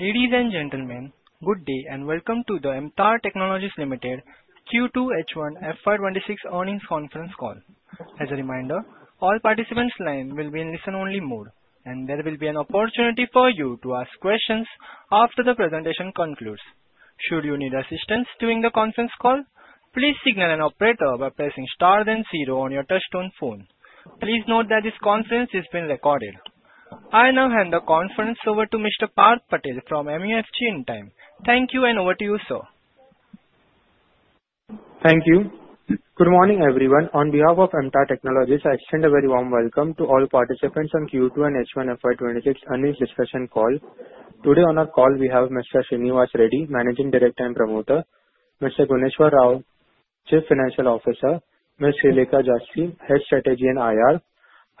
Ladies and gentlemen, good day and welcome to the MTAR Technologies Limited Q2 H1 FY26 earnings conference call. As a reminder, all participants' lines will be in listen-only mode, and there will be an opportunity for you to ask questions after the presentation concludes. Should you need assistance during the conference call, please signal an operator by pressing star then zero on your touch-tone phone. Please note that this conference is being recorded. I now hand the conference over to Mr. Parth Patel from MUFG. On time. Thank you, and over to you, sir. Thank you. Good morning, everyone. On behalf of MTAR Technologies, I extend a very warm welcome to all participants in Q2 and H1 FY26 earnings discussion call. Today on our call, we have Mr. Srinivas Reddy, Managing Director and Promoter. Mr. Gunneswara Rao, Chief Financial Officer. Ms. Srilekha Jasthi, Head Strategy and IR.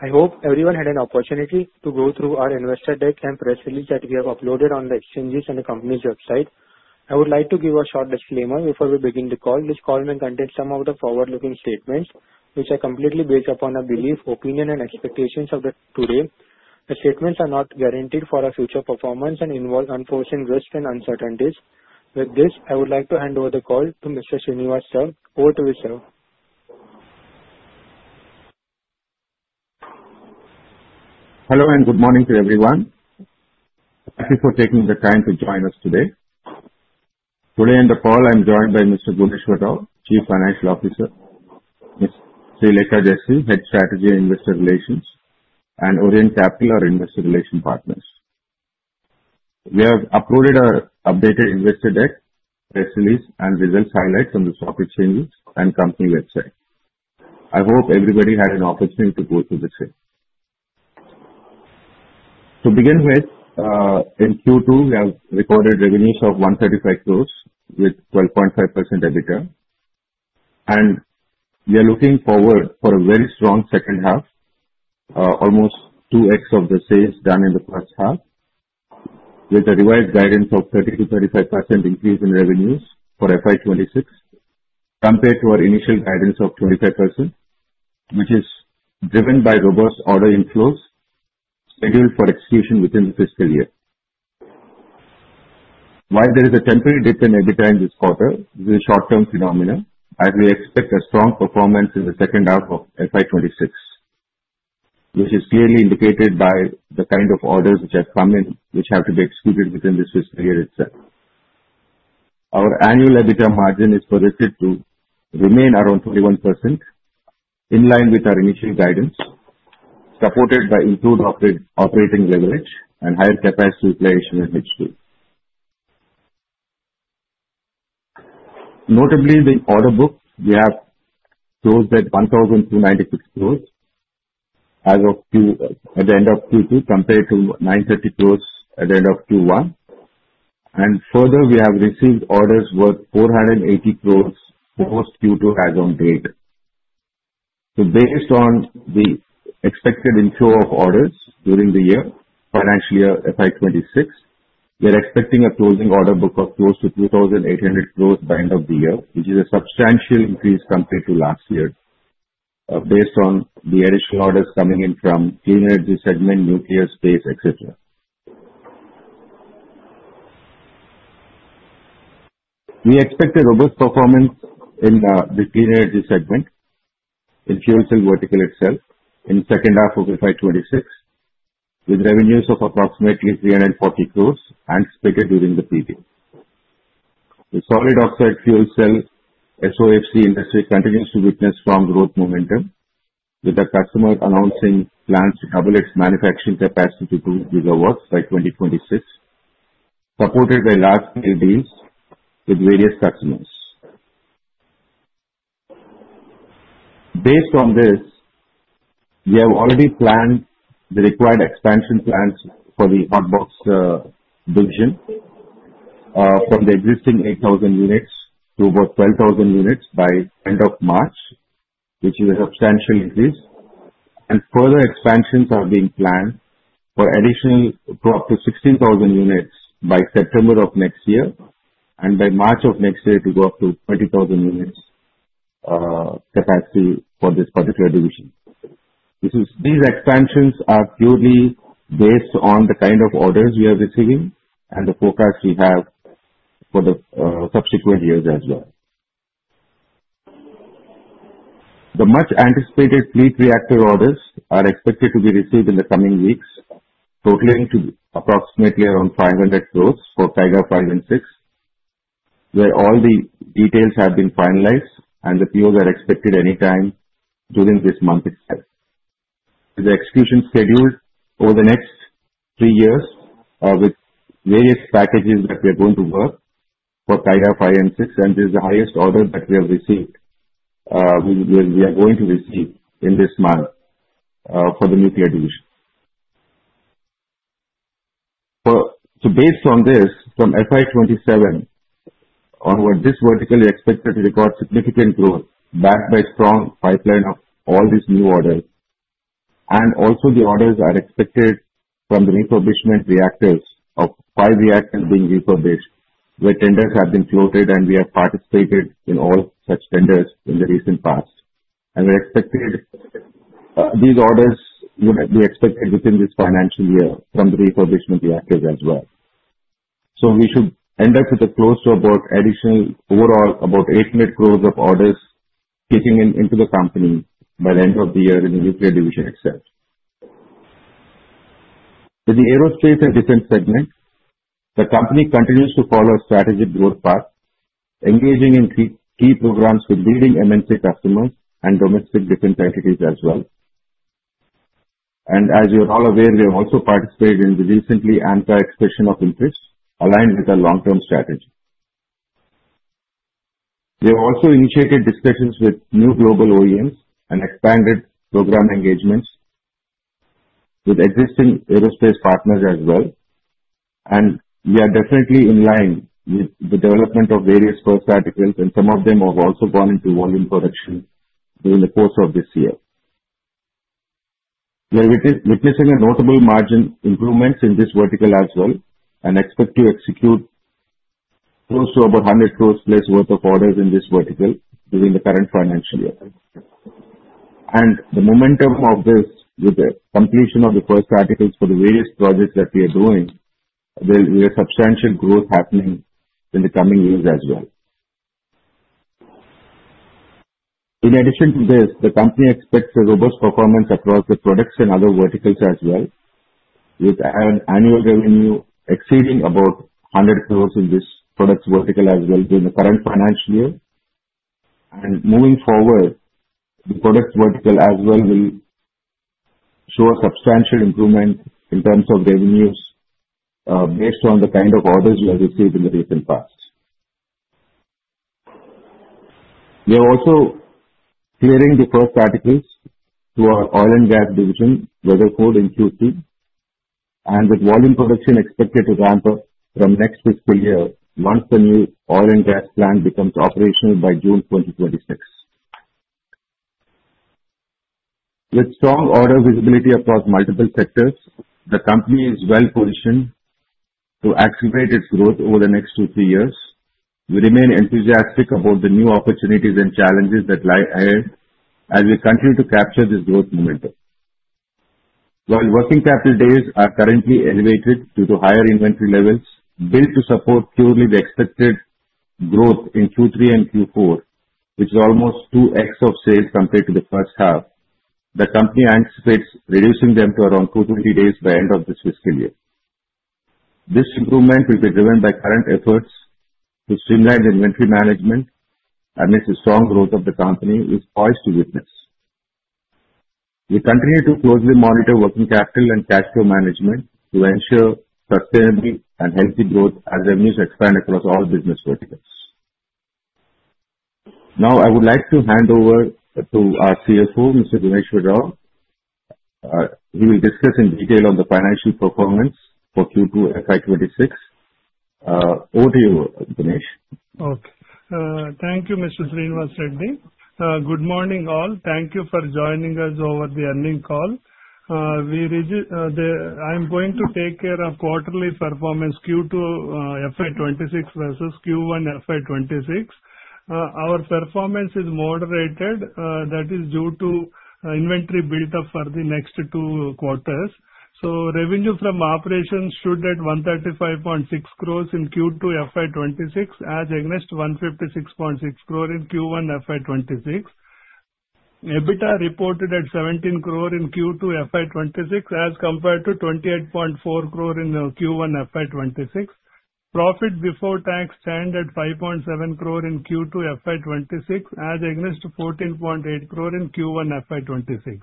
I hope everyone had an opportunity to go through our investor deck and press release that we have uploaded on the exchanges and the company's website. I would like to give a short disclaimer before we begin the call. This call may contain some of the forward-looking statements, which are completely based upon our belief, opinion, and expectations of today. The statements are not guaranteed for our future performance and involve unforeseen risks and uncertainties. With this, I would like to hand over the call to Mr. Srinivas sir. Over to you, sir. Hello and good morning to everyone. Thank you for taking the time to join us today. Today in the call, I'm joined by Mr. Gunneswara Rao, Chief Financial Officer, Ms. Srilekha Jasthi, Head Strategy and Investor Relations, and Orient Capital, our Investor Relations Partners. We have uploaded our updated investor deck, press release, and results highlights on the stock exchanges and company website. I hope everybody had an opportunity to go through the same. To begin with, in Q2, we have recorded revenues of 135 crores with 12.5% EBITDA, and we are looking forward to a very strong second half, almost 2x of the sales done in the first half, with a revised guidance of 30%-35% increase in revenues for FY26 compared to our initial guidance of 25%, which is driven by robust order inflows scheduled for execution within the fiscal year. While there is a temporary dip in EBITDA in this quarter, this is a short-term phenomenon, as we expect a strong performance in the second half of FY26, which is clearly indicated by the kind of orders which have come in, which have to be executed within this fiscal year itself. Our annual EBITDA margin is projected to remain around 21%, in line with our initial guidance, supported by improved operating leverage and higher capacity to play H2. Notably, the order book we have closed at 1,296 crores at the end of Q2 compared to 930 crores at the end of Q1, and further, we have received orders worth 480 crores post-Q2 as of date. Based on the expected inflow of orders during the year, financial year FY26, we are expecting a closing order book of close to 2,800 crores by the end of the year, which is a substantial increase compared to last year, based on the additional orders coming in from clean energy segment, nuclear space, etc. We expect a robust performance in the clean energy segment, in fuel cell vertical itself, in the second half of FY26, with revenues of approximately 340 crores anticipated during the previous. The Solid Oxide Fuel Cell SOFC industry continues to witness strong growth momentum, with the customer announcing plans to double its manufacturing capacity to 2 GW by 2026, supported by large-scale deals with various customers. Based on this, we have already planned the required expansion plans for the Hot Box division, from the existing 8,000 units to about 12,000 units by the end of March, which is a substantial increase. And further expansions are being planned for additional up to 16,000 units by September of next year, and by March of next year, to go up to 20,000 units capacity for this particular division. These expansions are purely based on the kind of orders we are receiving and the forecast we have for the subsequent years as well. The much-anticipated PHWR orders are expected to be received in the coming weeks, totaling to approximately around 500 crores for Kaiga 5 and 6, where all the details have been finalized, and the POs are expected anytime during this month itself. The execution schedule over the next three years with various packages that we are going to work for Kaiga 5 and 6, and this is the highest order that we have received, which we are going to receive in this month for the nuclear division. So based on this, from FY27 onward, this vertical is expected to record significant growth backed by a strong pipeline of all these new orders. And also, the orders are expected from the refurbishment reactors of five reactors being refurbished, where tenders have been floated, and we have participated in all such tenders in the recent past. And we expected these orders would be expected within this financial year from the refurbishment reactors as well. We should end up with close to about additional, overall, about 800 crores of orders kicking into the company by the end of the year in the nuclear division itself. In the aerospace and defense segment, the company continues to follow a strategic growth path, engaging in key programs with leading MNC customers and domestic defense entities as well. As you are all aware, we have also participated in the recent AMCA Expression of Interest, aligned with our long-term strategy. We have also initiated discussions with new global OEMs and expanded program engagements with existing aerospace partners as well. We are definitely in line with the development of various first articles, and some of them have also gone into volume production during the course of this year. We are witnessing a notable margin improvement in this vertical as well and expect to execute close to about 100 crores plus worth of orders in this vertical during the current financial year. And the momentum of this, with the completion of the first articles for the various projects that we are doing, there will be a substantial growth happening in the coming years as well. In addition to this, the company expects a robust performance across the products and other verticals as well, with annual revenue exceeding about 100 crores in this products vertical as well during the current financial year. And moving forward, the products vertical as well will show a substantial improvement in terms of revenues based on the kind of orders we have received in the recent past. We are also clearing the first articles to our oil and gas division, Weatherford in Q2, and the volume production is expected to ramp up from next fiscal year once the new oil and gas plant becomes operational by June 2026. With strong order visibility across multiple sectors, the company is well positioned to accelerate its growth over the next two to three years. We remain enthusiastic about the new opportunities and challenges that lie ahead as we continue to capture this growth momentum. While working capital days are currently elevated due to higher inventory levels built to support purely the expected growth in Q3 and Q4, which is almost 2x of sales compared to the first half, the company anticipates reducing them to around 220 days by the end of this fiscal year. This improvement will be driven by current efforts to streamline inventory management amidst the strong growth of the company, which is poised to witness. We continue to closely monitor working capital and cash flow management to ensure sustainable and healthy growth as revenues expand across all business verticals. Now, I would like to hand over to our CFO, Mr. Gunneswara Rao. He will discuss in detail on the financial performance for Q2 FY26. Over to you, Gunnes. Okay. Thank you, Mr. Srinivas Reddy. Good morning, all. Thank you for joining us over the earnings call. I'm going to take care of quarterly performance, Q2 FY26 versus Q1 FY26. Our performance is moderated. That is due to inventory build-up for the next two quarters. So revenue from operations stood at 135.6 crores in Q2 FY26, as against 156.6 crores in Q1 FY26. EBITDA reported at 17 crores in Q2 FY26, as compared to 28.4 crores in Q1 FY26. Profit before tax stands at 5.7 crores in Q2 FY26, as against 14.8 crores in Q1 FY26.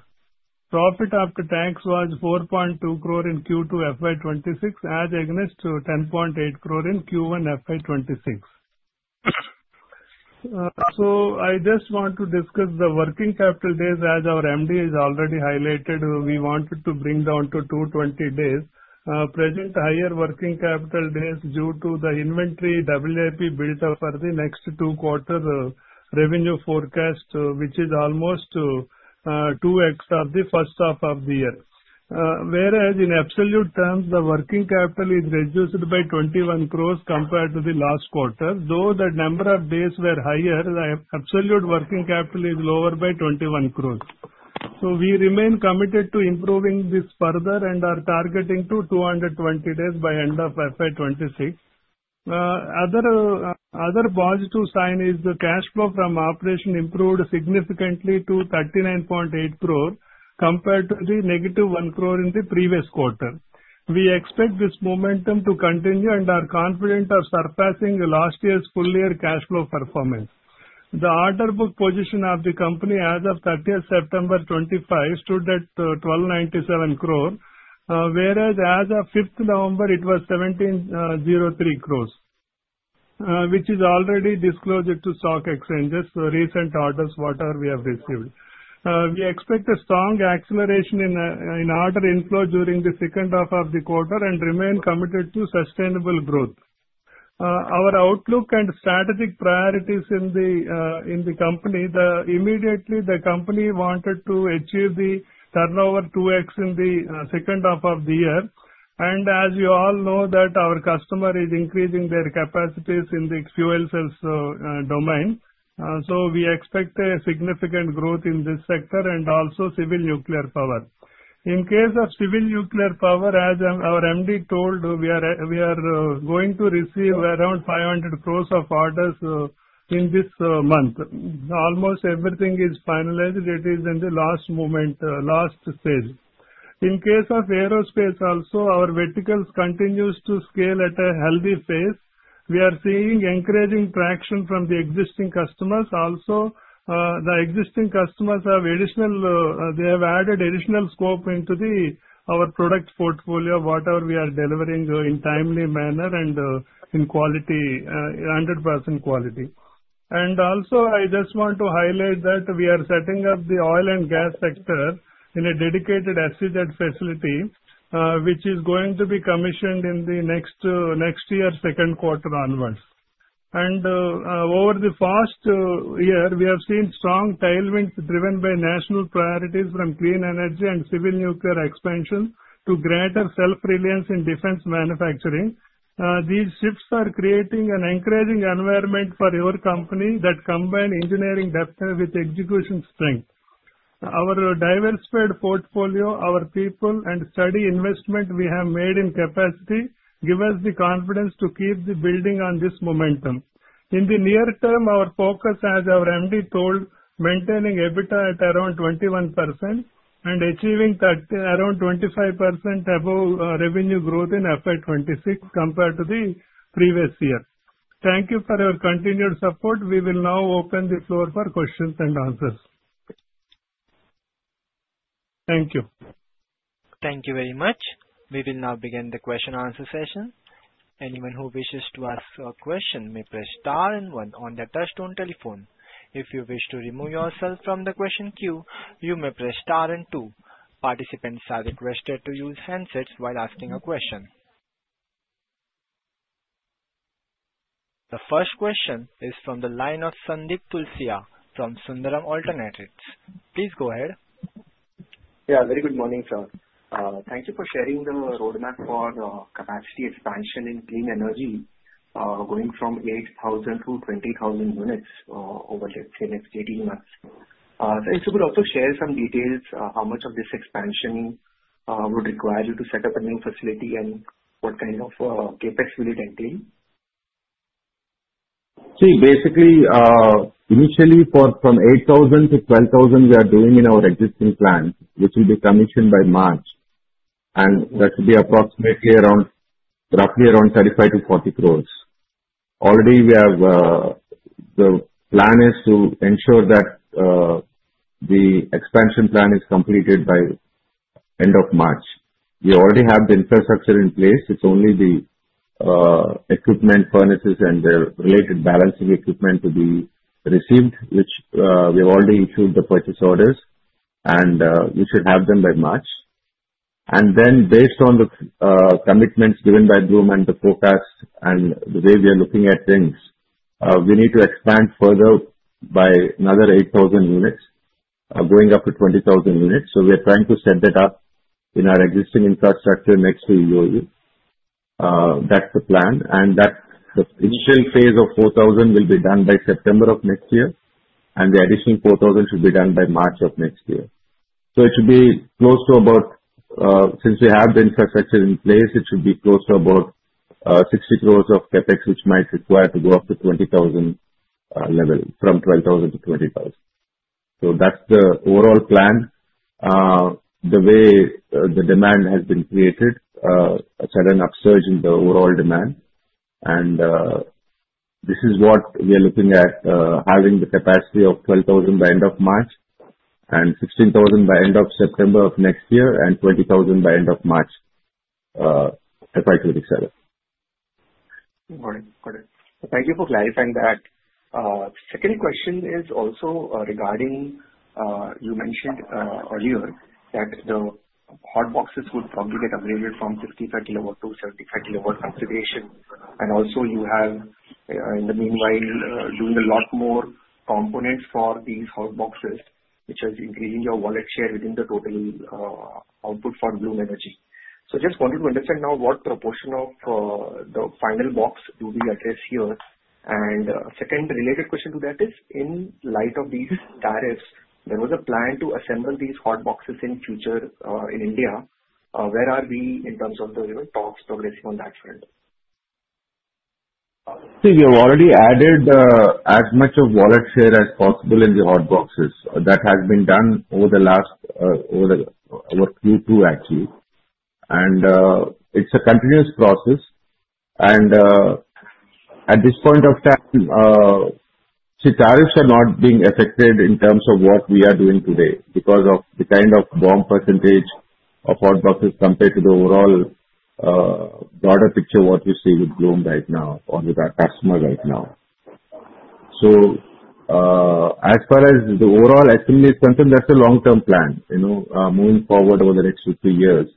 Profit after tax was 4.2 crores in Q2 FY26, as against 10.8 crores in Q1 FY26. So I just want to discuss the working capital days. As our MD has already highlighted, we wanted to bring down to 220 days. Present higher working capital days due to the inventory WIP build-up for the next two quarter revenue forecast, which is almost 2x of the first half of the year. Whereas in absolute terms, the working capital is reduced by 21 crores compared to the last quarter. Though the number of days were higher, the absolute working capital is lower by 21 crores. So we remain committed to improving this further and are targeting to 220 days by the end of FY26. Other positive sign is the cash flow from operation improved significantly to 39.8 crores compared to the -1 crore in the previous quarter. We expect this momentum to continue and are confident of surpassing last year's full-year cash flow performance. The order book position of the company as of 30th September 2025 stood at 1,297 crores, whereas as of 5th November, it was 1,703 crores, which is already disclosed to stock exchanges. Recent orders, whatever we have received. We expect a strong acceleration in order inflow during the second half of the quarter and remain committed to sustainable growth. Our outlook and strategic priorities in the company, immediately the company wanted to achieve the turnover 2x in the second half of the year. And as you all know, our customer is increasing their capacities in the fuel cells domain. So we expect a significant growth in this sector and also civil nuclear power. In case of civil nuclear power, as our MD told, we are going to receive around 500 crores of orders in this month. Almost everything is finalized. It is in the last moment, last stage. In case of aerospace also, our verticals continue to scale at a healthy pace. We are seeing encouraging traction from the existing customers. Also, the existing customers have additional, they have added additional scope into our product portfolio, whatever we are delivering in timely manner and in quality, 100% quality. I just want to highlight that we are setting up the oil and gas sector in a dedicated SEZ facility, which is going to be commissioned in the next year, second quarter onwards. Over the past year, we have seen strong tailwinds driven by national priorities from clean energy and civil nuclear expansion to greater self-reliance in defense manufacturing. These shifts are creating an encouraging environment for our company that combines engineering depth with execution strength. Our diversified portfolio, our people, and steady investment we have made in capacity give us the confidence to keep building on this momentum. In the near term, our focus, as our MD told, is maintaining EBITDA at around 21% and achieving around 25% above revenue growth in FY26 compared to the previous year. Thank you for your continued support. We will now open the floor for questions and answers. Thank you. Thank you very much. We will now begin the question-answer session. Anyone who wishes to ask a question may press star and one on their touch-tone telephone. If you wish to remove yourself from the question queue, you may press star and two. Participants are requested to use handsets while asking a question. The first question is from the line of Sandeep Tulsiyan from Sundaram Alternates. Please go ahead. Yeah, very good morning, sir. Thank you for sharing the roadmap for capacity expansion in clean energy, going from 8,000 to 20,000 units over the next 18 months. So if you could also share some details, how much of this expansion would require you to set up a new facility and what kind of CapEx will it entail? See, basically, initially, from 8,000-12,000, we are doing in our existing plant, which will be commissioned by March. That would be approximately roughly 35 crores-40 crores. Already, the plan is to ensure that the expansion plan is completed by the end of March. We already have the infrastructure in place. It's only the equipment, furnaces, and the related balancing equipment to be received, which we have already issued the purchase orders, and we should have them by March. Then, based on the commitments given by Bloom and the forecast and the way we are looking at things, we need to expand further by another 8,000 units, going up to 20,000 units. We are trying to set that up in our existing infrastructure next to EOU. That's the plan. The initial phase of 4,000 will be done by September of next year, and the additional 4,000 should be done by March of next year. So it should be close to about, since we have the infrastructure in place, it should be close to about 60 crore of CapEx, which might require to go up to 20,000 level from 12,000-20,000. So that's the overall plan. The way the demand has been created, a sudden upsurge in the overall demand. This is what we are looking at, having the capacity of 12,000 by the end of March and 16,000 by the end of September of next year and 20,000 by the end of March FY27. Good morning. Thank you for clarifying that. Second question is also regarding you mentioned earlier that the Hot Boxes would probably get upgraded from 55 kW-75 kW configuration. And also, you have, in the meanwhile, doing a lot more components for these Hot Boxes, which has increased your wallet share within the total output for Bloom Energy. So I just wanted to understand now what proportion of the final box do we address here. And second related question to that is, in light of these tariffs, there was a plan to assemble these Hot Boxes in future in India. Where are we in terms of the talks progressing on that front? See, we have already added as much of wallet share as possible in the Hot Boxes. That has been done over the last over Q2, actually, and it's a continuous process. And at this point of time, the tariffs are not being affected in terms of what we are doing today because of the kind of BOM percentage of Hot Boxes compared to the overall broader picture of what we see with Bloom right now or with our customer right now, so as far as the overall estimate, something that's a long-term plan moving forward over the next two to three years,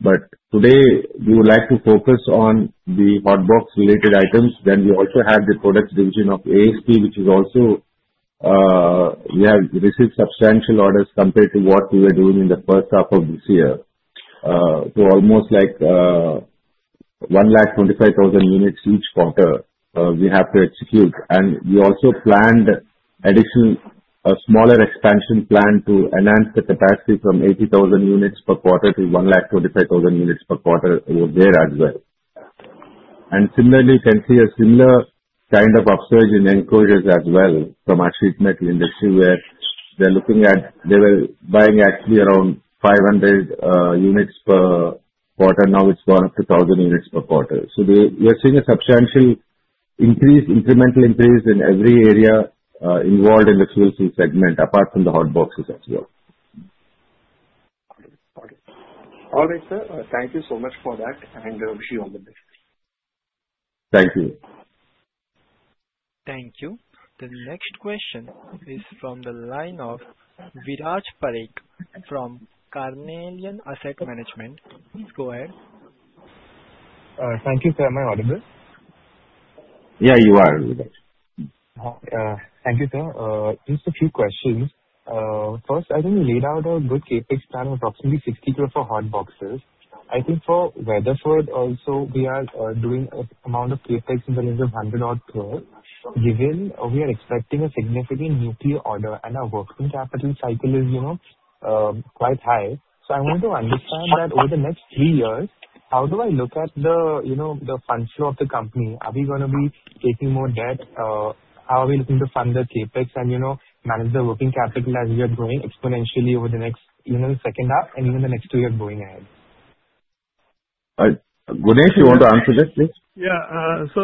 but today, we would like to focus on the Hot Box-related items, then we also have the products division of ASP, which is also we have received substantial orders compared to what we were doing in the first half of this year. So almost like 125,000 units each quarter we have to execute. And we also planned additional smaller expansion plan to enhance the capacity from 80,000 units per quarter to 125,000 units per quarter over there as well. And similarly, you can see a similar kind of upsurge in enclosures as well from our sheet metal industry, where they're looking at they were buying actually around 500 units per quarter. Now it's gone up to 1,000 units per quarter. So we are seeing a substantial increase, incremental increase in every area involved in the fuel cell segment, apart from the Hot Boxes as well. All right, sir. Thank you so much for that, and I wish you all the best. Thank you. Thank you. The next question is from the line of Viraj Parekh from Carnelian Asset Management. Please go ahead. Thank you. Am I audible? Yeah, you are. Thank you, sir. Just a few questions. First, I think we laid out a good CapEx plan of approximately 60 crores for Hot Boxes. I think for Weatherford also, we are doing an amount of CapEx in the range of 100 or 120, given we are expecting a significant nuclear order and our working capital cycle is quite high. So I want to understand that over the next three years, how do I look at the fund flow of the company? Are we going to be taking more debt? How are we looking to fund the CapEx and manage the working capital as we are going exponentially over the next second half and even the next two years going ahead? All right. Gunneswara, you want to answer that, please? Yeah. So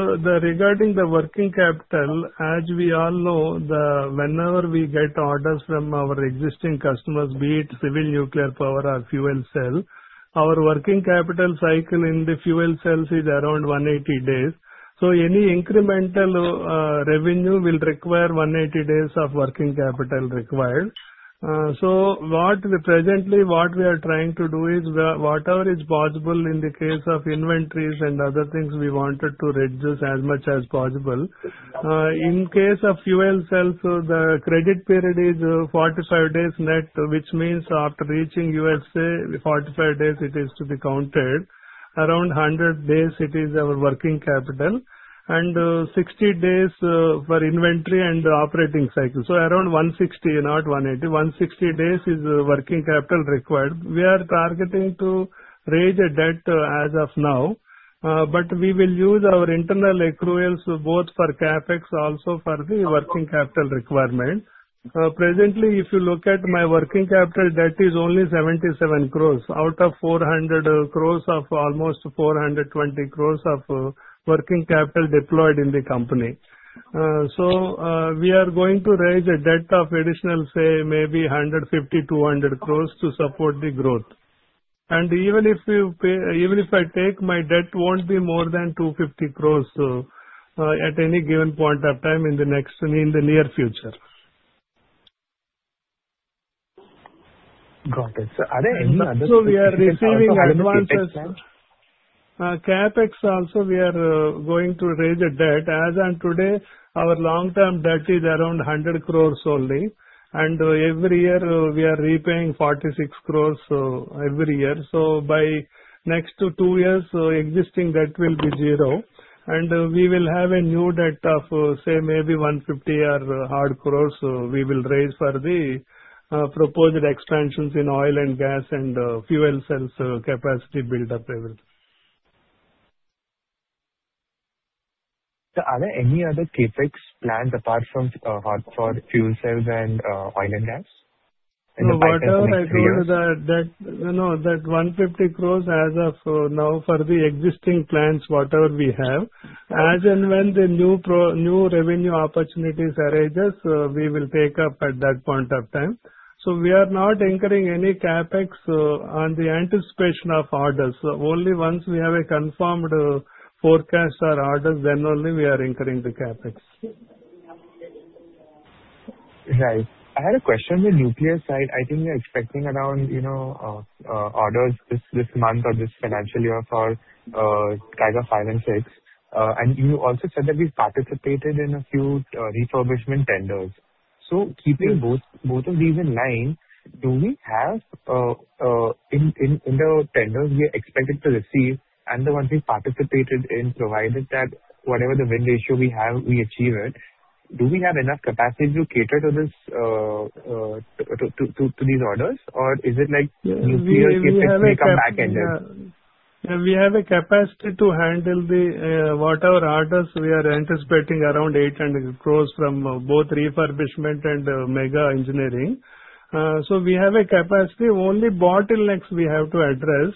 regarding the working capital, as we all know, whenever we get orders from our existing customers, be it civil nuclear power or fuel cell, our working capital cycle in the fuel cells is around 180 days. So any incremental revenue will require 180 days of working capital required. So presently, what we are trying to do is whatever is possible in the case of inventories and other things, we wanted to reduce as much as possible. In case of fuel cells, the credit period is 45 days net, which means after reaching USA, 45 days it is to be counted. Around 100 days, it is our working capital. And 60 days for inventory and operating cycle. So around 160, not 180. 160 days is working capital required. We are targeting to raise a debt as of now, but we will use our internal accruals both for CapEx, also for the working capital requirement. Presently, if you look at my working capital debt, it is only 77 crores out of 400 crores of almost 420 crores of working capital deployed in the company. So we are going to raise a debt of additional, say, maybe 150 crores-200 crores to support the growth, and even if I take my debt, it won't be more than 250 crores at any given point of time in the near future. Got it. So are there any other? So we are receiving advances. CapEx also, we are going to raise a debt. As of today, our long-term debt is around 100 crores only. And every year, we are repaying 46 crores every year. So by next two years, existing debt will be zero. And we will have a new debt of, say, maybe 150 or 200 crores we will raise for the proposed expansions in oil and gas and fuel cells capacity build-up. Are there any other CapEx plans apart from hardcore fuel cells and oil and gas? Whatever I told you, that no, that 150 crores as of now for the existing plants, whatever we have. As and when the new revenue opportunities arise, we will take up at that point of time. So we are not incurring any CapEx on the anticipation of orders. Only once we have a confirmed forecast or orders, then only we are incurring the CapEx. Right. I had a question on the nuclear side. I think we are expecting around orders this month or this financial year for kind of Kaiga 5 and 6. And you also said that we participated in a few refurbishment tenders. So keeping both of these in line, do we have in the tenders we are expected to receive and the ones we participated in, provided that whatever the win ratio we have, we achieve it, do we have enough capacity to cater to these orders? Or is it like nuclear CapEx will come back and then? Yeah, we have a capacity to handle whatever orders we are anticipating, around 800 crores from both refurbishment and Megha Engineering. So we have a capacity of only bottlenecks we have to address,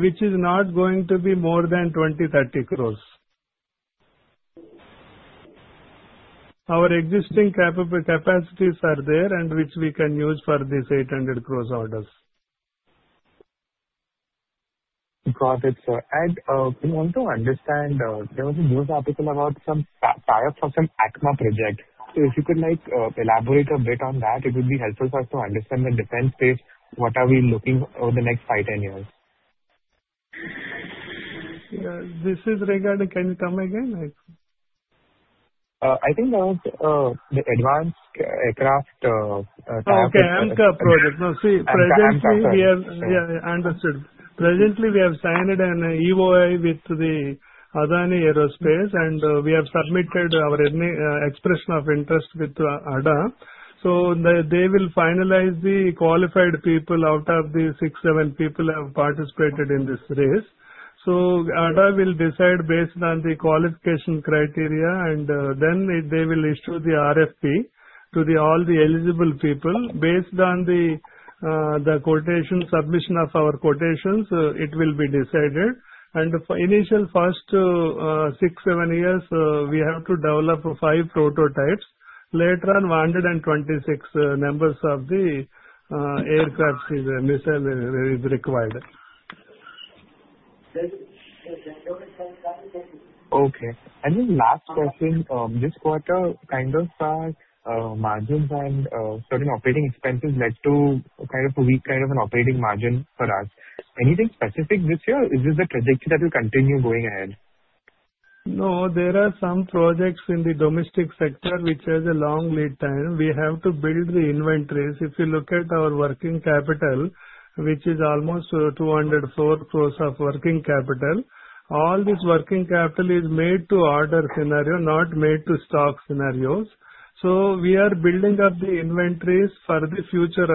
which is not going to be more than 20 crores-30 crores. Our existing capacities are there and which we can use for these 800 crores orders. Got it, sir. And we want to understand there was a news article about some tariffs on some AMCA project. So if you could elaborate a bit on that, it would be helpful for us to understand the defense space, what are we looking over the next five, 10 years? This is regarding, can you come again? I think that was the advanced aircraft targets. Okay, AMCA project. No, see, presently we have signed an EOI with the Adani Aerospace, and we have submitted our Expression of Interest with ADA. So they will finalize the qualified people out of the six, seven people who have participated in this race. So ADA will decide based on the qualification criteria, and then they will issue the RFP to all the eligible people. Based on the quotation submission of our quotations, it will be decided. And initial first six, seven years, we have to develop five prototypes. Later on, 126 numbers of the aircraft missile is required. Okay. And then last question, this quarter, kind of margins and certain operating expenses led to kind of a weak kind of an operating margin for us. Anything specific this year? Is this the trajectory that will continue going ahead? No, there are some projects in the domestic sector which has a long lead time. We have to build the inventories. If you look at our working capital, which is almost 204 crores of working capital, all this working capital is made to order scenario, not made to stock scenarios. So we are building up the inventories for the future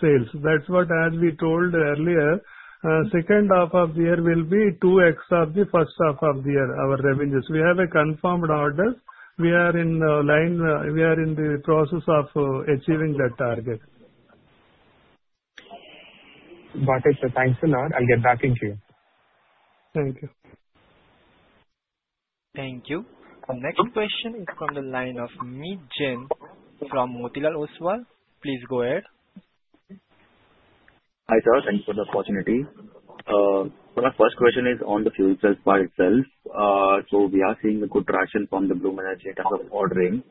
sales. That's what, as we told earlier, second half of the year will be 2x of the first half of the year, our revenues. We have a confirmed order. We are in the line we are in the process of achieving that target. Got it, sir. Thanks a lot. I'll get back in queue. Thank you. Thank you. The next question is from the line of Meet Jain from Motilal Oswal. Please go ahead. Hi, sir. Thank you for the opportunity. My first question is on the fuel cell part itself, so we are seeing a good traction from the Bloom Energy in terms of ordering,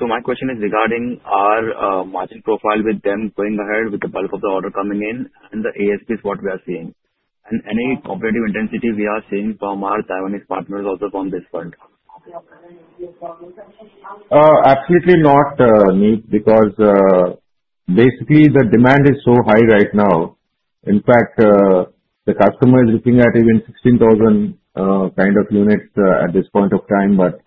so my question is regarding our margin profile with them going ahead with the bulk of the order coming in and the ASPs, what we are seeing, and any operative intensity we are seeing from our Taiwanese partners also from this fund? Absolutely not, Meet, because basically the demand is so high right now. In fact, the customer is looking at even 16,000 kind of units at this point of time, but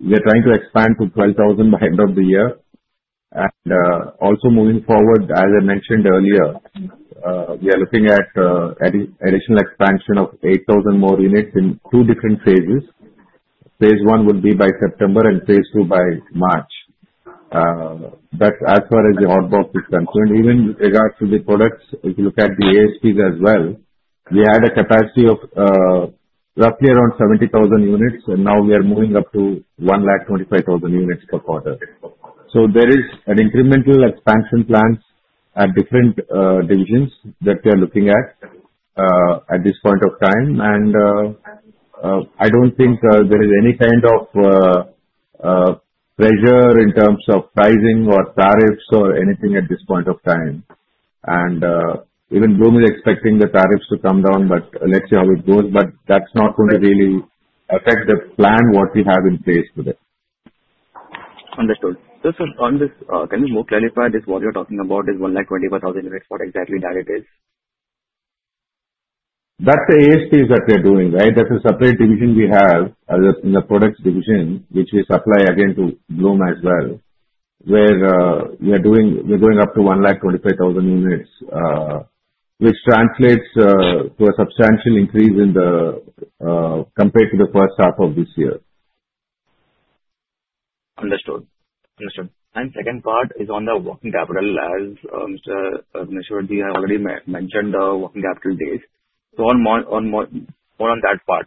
we are trying to expand to 12,000 by the end of the year, and also moving forward, as I mentioned earlier, we are looking at additional expansion of 8,000 more units in two different phases. Phase one will be by September and phase two by March, but as far as the Hot Box is concerned, even regards to the products, if you look at the ASPs as well, we had a capacity of roughly around 70,000 units, and now we are moving up to 125,000 units per quarter, so there is an incremental expansion plan at different divisions that we are looking at at this point of time. And I don't think there is any kind of pressure in terms of pricing or tariffs or anything at this point of time. And even Bloom is expecting the tariffs to come down, but let's see how it goes. But that's not going to really affect the plan, what we have in place today. Understood. So sir, on this, can you more clarify this? What you're talking about is 125,000 units. What exactly that it is? That's the ASPs that we are doing, right? That's a separate division we have in the products division, which we supply again to Bloom as well, where we are going up to 125,000 units, which translates to a substantial increase compared to the first half of this year. Understood. Second part is on the working capital, as Mr. Gunneswaraji already mentioned the working capital days. More on that part.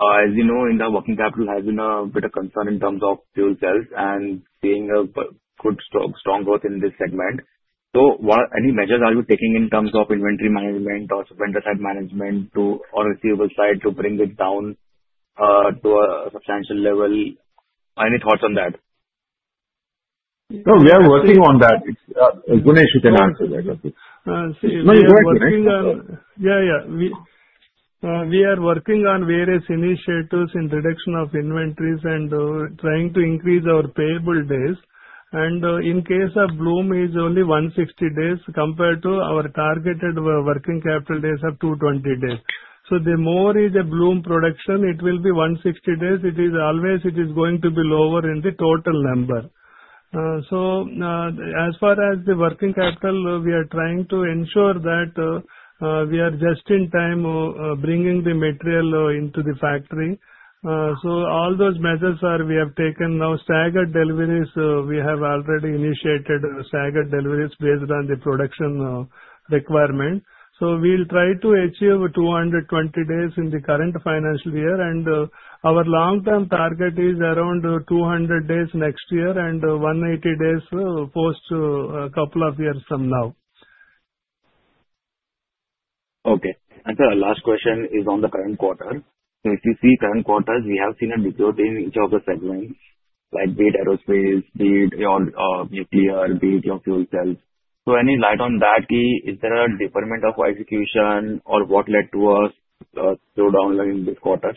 As you know, the working capital has been a bit of a concern in terms of fuel cells and seeing a good strong growth in this segment. Any measures are you taking in terms of inventory management or vendor side management or receivable side to bring it down to a substantial level? Any thoughts on that? No, we are working on that. Gunneswara, you can answer that. No, you go ahead, Gunneswara. Yeah, yeah. We are working on various initiatives in reduction of inventories and trying to increase our payable days. In case of Bloom, it is only 160 days compared to our targeted working capital days of 220 days. The more is a Bloom production, it will be 160 days. It is always going to be lower in the total number. As far as the working capital, we are trying to ensure that we are just in time bringing the material into the factory. All those measures we have taken now, staggered deliveries, we have already initiated staggered deliveries based on the production requirement. We'll try to achieve 220 days in the current financial year. Our long-term target is around 200 days next year and 180 days post a couple of years from now. Okay. And sir, last question is on the current quarter. So if you see current quarters, we have seen a decline in each of the segments, like be it aerospace, be it nuclear, be it fuel cells. So any light on that? Is there a deferment of execution or what led to us slow down in this quarter?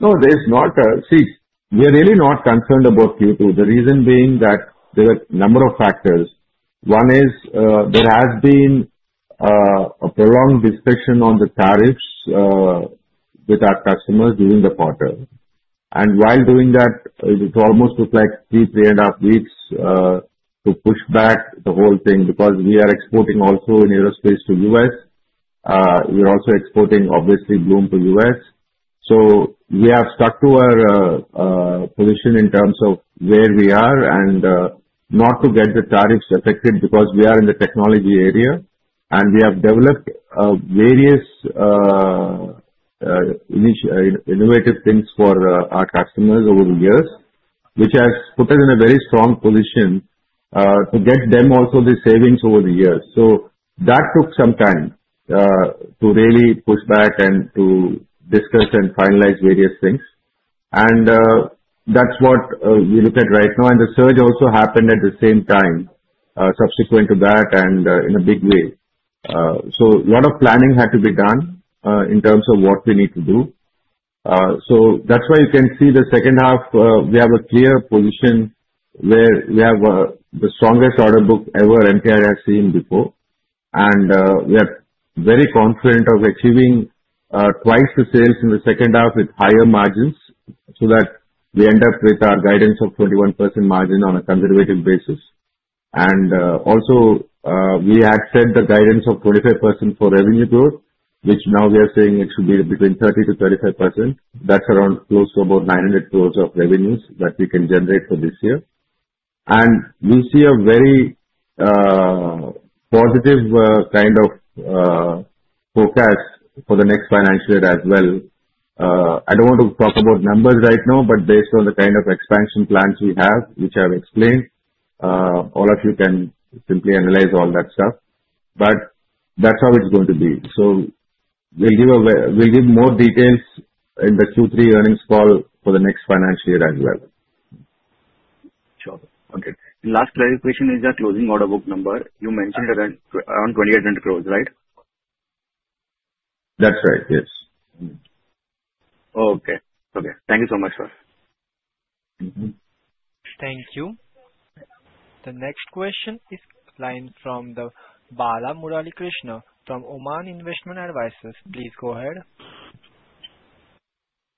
No, there is not. See, we are really not concerned about Q2, the reason being that there are a number of factors. One is there has been a prolonged discussion on the tariffs with our customers during the quarter. And while doing that, it almost looked like three, three and a half weeks to push back the whole thing because we are exporting also in aerospace to the U.S. We are also exporting, obviously, Bloom to the U.S. So we have stuck to our position in terms of where we are and not to get the tariffs affected because we are in the technology area. And we have developed various innovative things for our customers over the years, which has put us in a very strong position to get them also the savings over the years. So that took some time to really push back and to discuss and finalize various things. And that's what we look at right now. And the surge also happened at the same time subsequent to that and in a big way. So a lot of planning had to be done in terms of what we need to do. So that's why you can see the second half, we have a clear position where we have the strongest order book ever MTAR has seen before. And we are very confident of achieving twice the sales in the second half with higher margins so that we end up with our guidance of 21% margin on a conservative basis. And also, we had said the guidance of 25% for revenue growth, which now we are saying it should be between 30%-35%. That's around close to about 900 crores of revenues that we can generate for this year. And we see a very positive kind of forecast for the next financial year as well. I don't want to talk about numbers right now, but based on the kind of expansion plans we have, which I have explained, all of you can simply analyze all that stuff. But that's how it's going to be. So we'll give more details in the Q3 earnings call for the next financial year as well. Sure. Okay. Last clarification is the closing order book number. You mentioned around 2,800 crores, right? That's right, yes. Okay. Okay. Thank you so much, sir. Thank you. The next question is from the line of Bala Murali Krishna from Oman Investment Advisors. Please go ahead.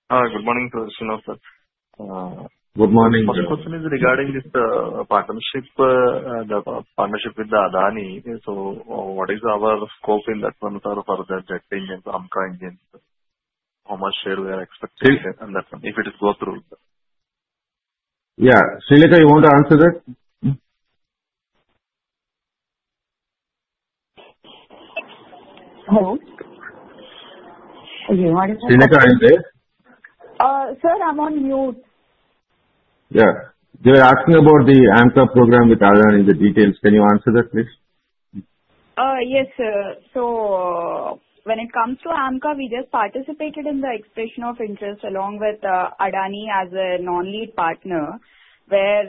Good morning, Mr. Gunneswara. Good morning. My question is regarding this partnership, the partnership with the Adani. So what is our scope in that one for the Jet Engines, AMCA Engines? How much share we are expecting in that one if it is go through? Yeah. Srilekha, you want to answer that? Hello? Srilekha, are you there? Sir, I'm on mute. Yeah. They were asking about the AMCA program with Adani in the details. Can you answer that, please? Yes, sir. So when it comes to AMCA, we just participated in the Expression of Interest along with Adani as a non-lead partner, where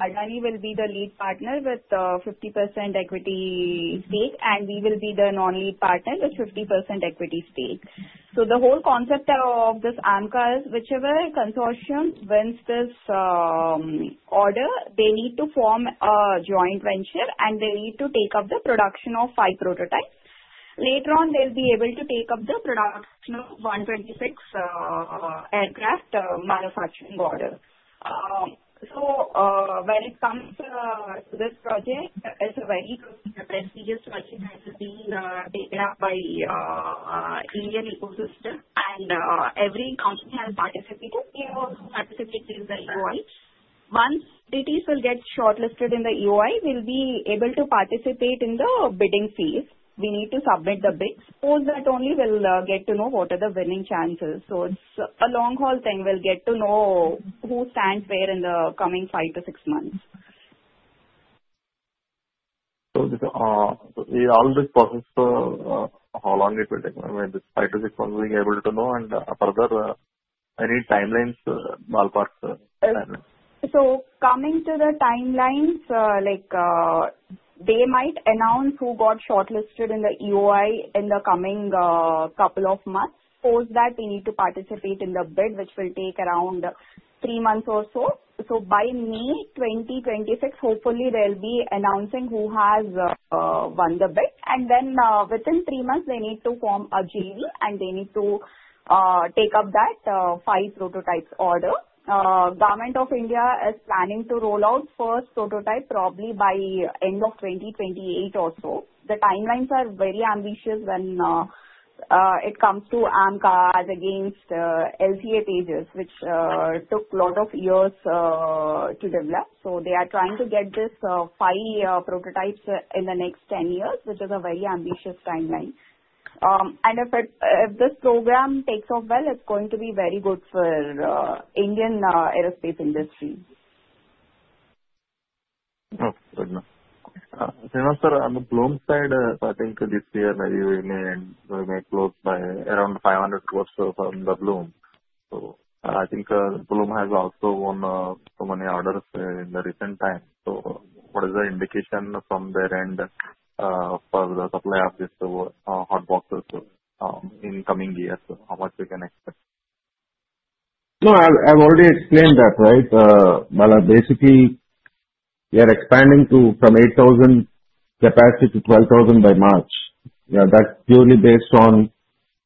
Adani will be the lead partner with 50% equity stake, and we will be the non-lead partner with 50% equity stake. So the whole concept of this AMCA is whichever consortium wins this order, they need to form a joint venture, and they need to take up the production of five prototypes. Later on, they'll be able to take up the production of 126 aircraft manufacturing orders. So when it comes to this project, it's a very prestigious project that has been taken up by Indian ecosystem, and every company has participated. We have also participated in the EOI. Once entities will get shortlisted in the EOI, we'll be able to participate in the bidding phase. We need to submit the bids. All that only will get to know what are the winning chances. So it's a long-haul thing. We'll get to know who stands where in the coming five to six months. So, overall this process, how long it will take? This five to six months, we'll be able to know? And further, any timelines, ballpark timelines? Coming to the timelines, they might announce who got shortlisted in the EOI in the coming couple of months. Suppose that we need to participate in the bid, which will take around three months or so. By May 2026, hopefully, they'll be announcing who has won the bid. Then within three months, they need to form a J V, and they need to take up that five prototypes order. Government of India is planning to roll out first prototype probably by end of 2028 or so. The timelines are very ambitious when it comes to AMCA against LCA Tejas, which took a lot of years to develop. They are trying to get these five prototypes in the next 10 years, which is a very ambitious timeline. If this program takes off well, it's going to be very good for Indian aerospace industry. Good. Sir, on the Bloom side, I think this year maybe we may close by around 500 crores from the Bloom. So I think Bloom has also won so many orders in the recent time. So what is the indication from their end for the supply of this Hot Box in coming years? How much we can expect? No, I've already explained that, right? Basically, we are expanding from 8,000 capacity to 12,000 by March. That's purely based on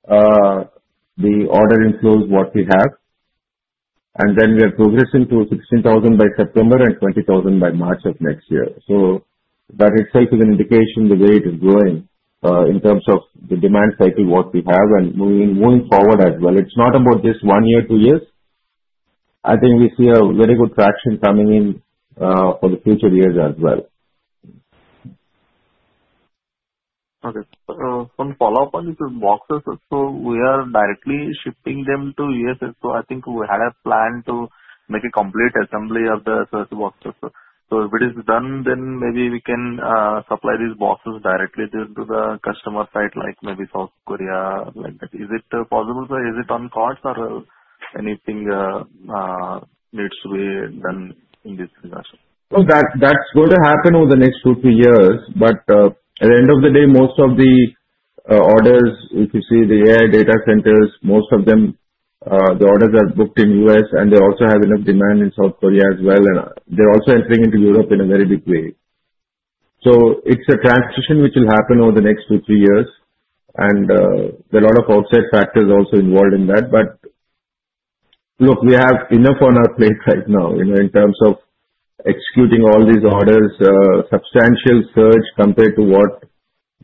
the order inflows what we have. And then we are progressing to 16,000 by September and 20,000 by March of next year. So that itself is an indication the way it is going in terms of the demand cycle what we have and moving forward as well. It's not about just one year, two years. I think we see a very good traction coming in for the future years as well. Okay. So some follow-up on these boxes. So we are directly shipping them to U.S. So I think we had a plan to make a complete assembly of the. So if it is done, then maybe we can supply these boxes directly to the customer side, like maybe South Korea, like that. Is it possible, sir? Is it on cards or anything needs to be done in this regard? No, that's going to happen over the next two, three years. But at the end of the day, most of the orders, if you see the AI data centers, most of them, the orders are booked in the U.S., and they also have enough demand in South Korea as well. And they're also entering into Europe in a very big way. So it's a transition which will happen over the next two, three years. And there are a lot of outside factors also involved in that. But look, we have enough on our plate right now in terms of executing all these orders, substantial surge compared to what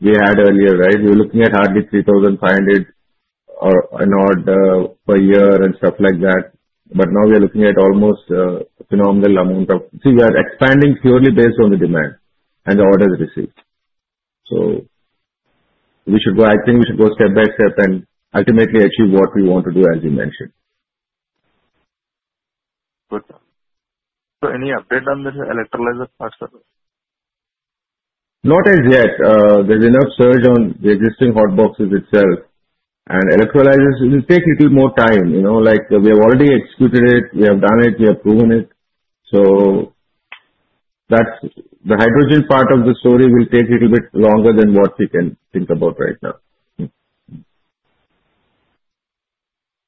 we had earlier, right? We were looking at hardly 3,500 or an odd per year and stuff like that. Now we are looking at almost a phenomenal amount of see. We are expanding purely based on the demand and the orders received. I think we should go step by step and ultimately achieve what we want to do, as you mentioned. Good. So any update on this electrolyzer, sir? Not as yet. There's enough surge on the existing Hot Boxes itself. And electrolyzers will take a little more time. We have already executed it. We have done it. We have proven it. So the hydrogen part of the story will take a little bit longer than what we can think about right now.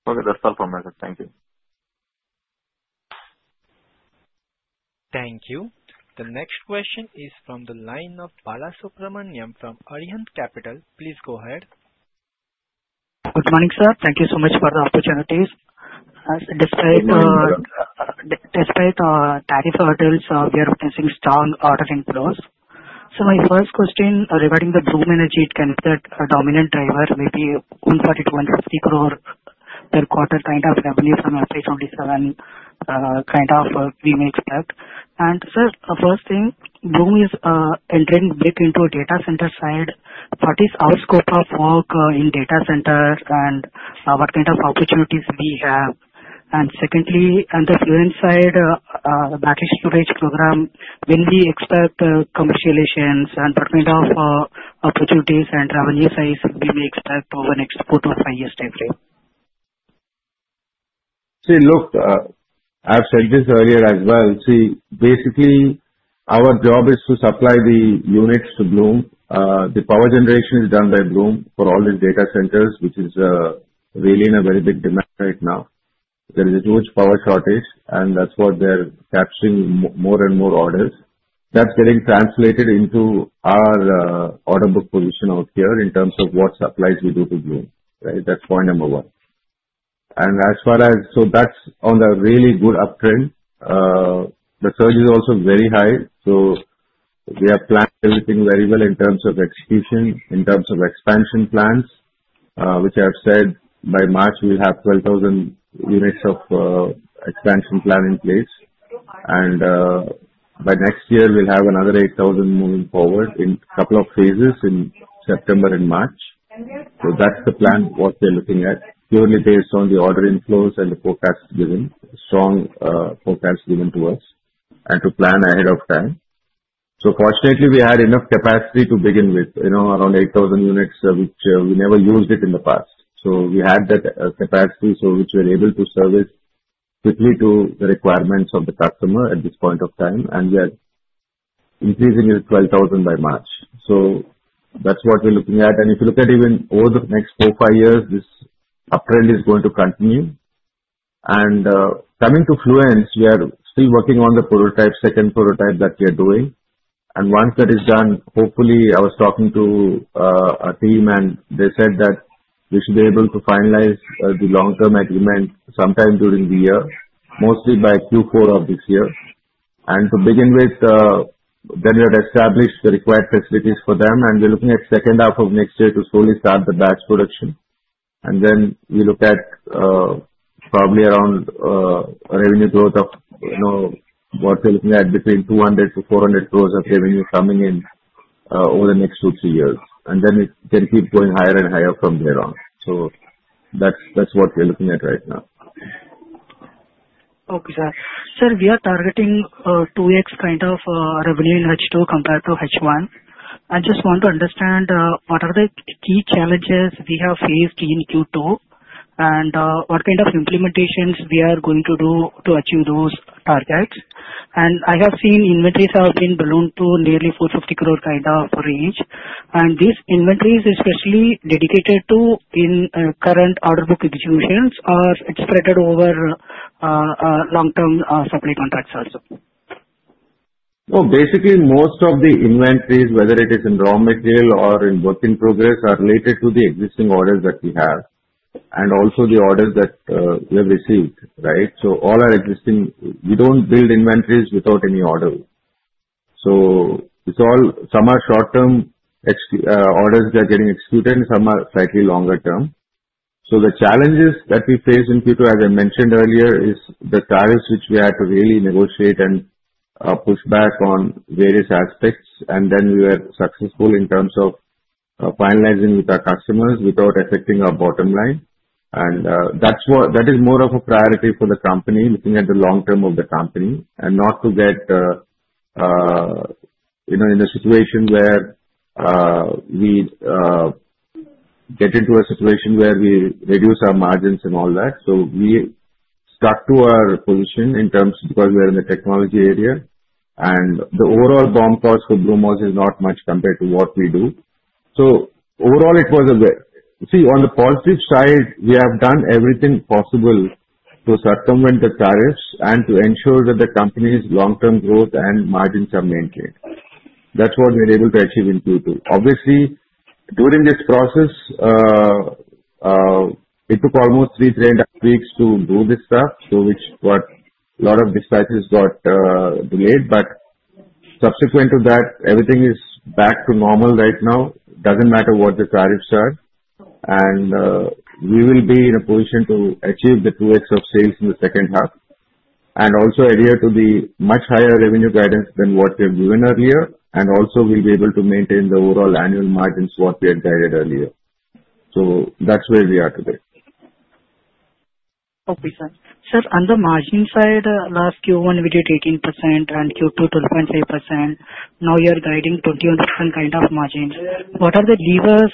Okay. That's all from my side. Thank you. Thank you. The next question is from the line of Balasubramanian from Arihant Capital. Please go ahead. Good morning, sir. Thank you so much for the opportunities. As despite the tariff hurdles, we are facing strong order inflows. So my first question regarding the Bloom Energy, it can be that a dominant driver, maybe 140 crore-150 crore per quarter kind of revenue from FY27 kind of we may expect. And sir, first thing, Bloom Energy is entering big into a data center side. What is our scope of work in data center and what kind of opportunities we have? And secondly, on the fuel side, battery storage program, when we expect commercializations and what kind of opportunities and revenue size we may expect over the next four to five years typically? See, look, I've said this earlier as well. See, basically, our job is to supply the units to Bloom. The power generation is done by Bloom for all these data centers, which is really in a very big demand right now. There is a huge power shortage, and that's what they're capturing more and more orders. That's getting translated into our order book position out here in terms of what supplies we do to Bloom, right? That's point number one. And as far as so that's on a really good uptrend. The surge is also very high. So we have planned everything very well in terms of execution, in terms of expansion plans, which I have said by March, we'll have 12,000 units of expansion plan in place. And by next year, we'll have another 8,000 moving forward in a couple of phases in September and March. So that's the plan what we're looking at, purely based on the order inflows and the forecast given, strong forecast given to us, and to plan ahead of time. So fortunately, we had enough capacity to begin with, around 8,000 units, which we never used in the past. So we had that capacity, so which we were able to service quickly to the requirements of the customer at this point of time. And we are increasing it to 12,000 by March. So that's what we're looking at. And if you look at even over the next four, five years, this uptrend is going to continue. And coming to Fluence, we are still working on the prototype, second prototype that we are doing. Once that is done, hopefully, I was talking to a team, and they said that we should be able to finalize the long-term agreement sometime during the year, mostly by Q4 of this year. To begin with, then we have established the required facilities for them. We're looking at second half of next year to slowly start the batch production. Then we look at probably around revenue growth of what we're looking at between 200 crore-400 crore of revenue coming in over the next two, three years. Then it can keep going higher and higher from there on. That's what we're looking at right now. Okay, sir. Sir, we are targeting 2x kind of revenue in H2 compared to H1. I just want to understand what are the key challenges we have faced in Q2 and what kind of implementations we are going to do to achieve those targets, and I have seen inventories have been ballooned to nearly 450 crore kind of range, and these inventories especially dedicated to current order book executions or spread out over long-term supply contracts also? Basically, most of the inventories, whether it is in raw material or in work in progress, are related to the existing orders that we have and also the orders that we have received, right? All our existing we don't build inventories without any orders. Some are short-term orders that are getting executed and some are slightly longer term. The challenges that we faced in Q2, as I mentioned earlier, is the tariffs, which we had to really negotiate and push back on various aspects. Then we were successful in terms of finalizing with our customers without affecting our bottom line. That is more of a priority for the company, looking at the long term of the company, and not to get in a situation where we get into a situation where we reduce our margins and all that. So we stuck to our position in terms because we are in the technology area. And the overall BOM cost for Bloom Energy is not much compared to what we do. So overall, it was a, see on the positive side, we have done everything possible to circumvent the tariffs and to ensure that the company's long-term growth and margins are maintained. That's what we were able to achieve in Q2. Obviously, during this process, it took almost three and a half weeks to do this stuff, which got a lot of dispatches delayed. But subsequent to that, everything is back to normal right now. It doesn't matter what the tariffs are. And we will be in a position to achieve the 2x of sales in the second half and also adhere to the much higher revenue guidance than what we have given earlier. And also, we'll be able to maintain the overall annual margins what we had guided earlier. So that's where we are today. Okay, sir. Sir, on the margin side, last Q1, we did 18% and Q2, 12.5%. Now you're guiding 21% kind of margins. What are the levers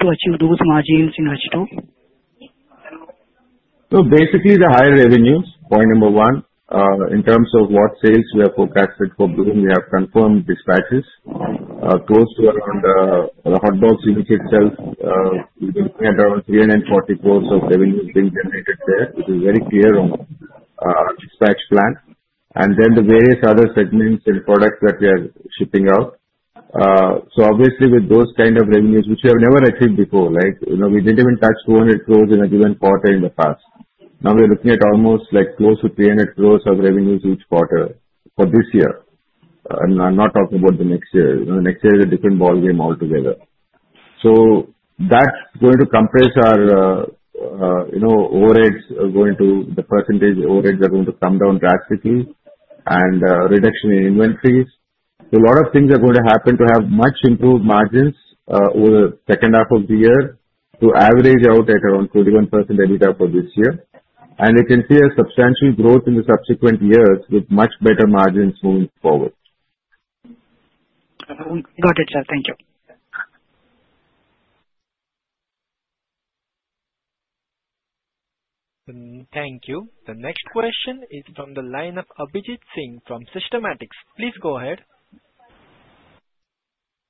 to achieve those margins in H2? So basically, the higher revenues, point number one, in terms of what sales we have forecasted for Bloom, we have confirmed dispatches close to around the Hot Box units itself. We've been looking at around 340 crores of revenues being generated there, which is very clear on dispatch plan. And then the various other segments and products that we are shipping out. So obviously, with those kind of revenues, which we have never achieved before, right? We didn't even touch 200 crores in a given quarter in the past. Now we're looking at almost close to 300 crores of revenues each quarter for this year. And I'm not talking about the next year. The next year is a different ballgame altogether. So that's going to compress our overheads, going to the percentage. Overheads are going to come down drastically and reduction in inventories. So a lot of things are going to happen to have much improved margins over the second half of the year to average out at around 21% EBITDA for this year. And we can see a substantial growth in the subsequent years with much better margins moving forward. Got it, sir. Thank you. Thank you. The next question is from the line of Abhijeet Singh from Systematix. Please go ahead.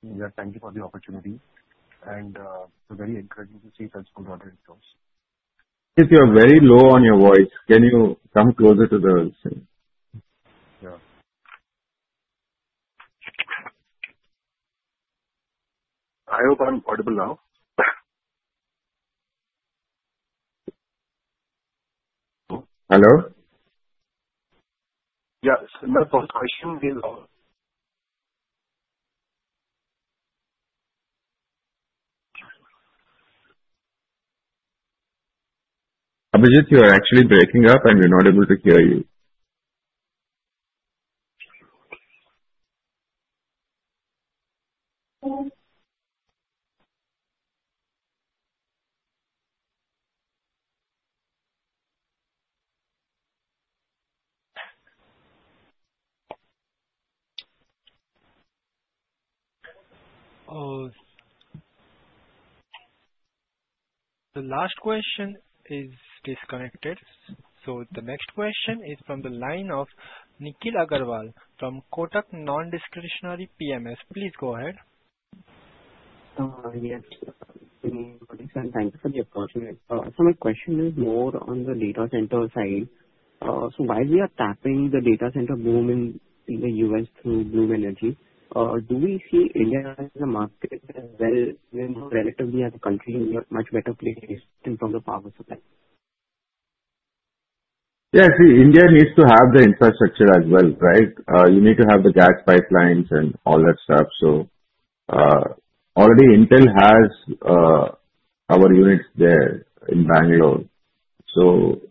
Yeah, thank you for the opportunity. And it's very encouraging to see such good order inflows. If you're very low on your voice, can you come closer to the screen? Yeah. I hope I'm audible now. Hello? Yeah. So the first question is Abhijeet, you are actually breaking up, and we're not able to hear you. The last question is disconnected. So the next question is from the line of Nikhil Agrawal from Kotak Non-Discretionary PMS. Please go ahead. Yes, thank you for the question. So my question is more on the data center side. So while we are tapping the data center boom in the U.S. through Bloom Energy, do we see India as a market as well relatively as a country in a much better place in terms of power supply? Yeah, see, India needs to have the infrastructure as well, right? You need to have the gas pipelines and all that stuff. So already Intel has our units there in Bangalore. So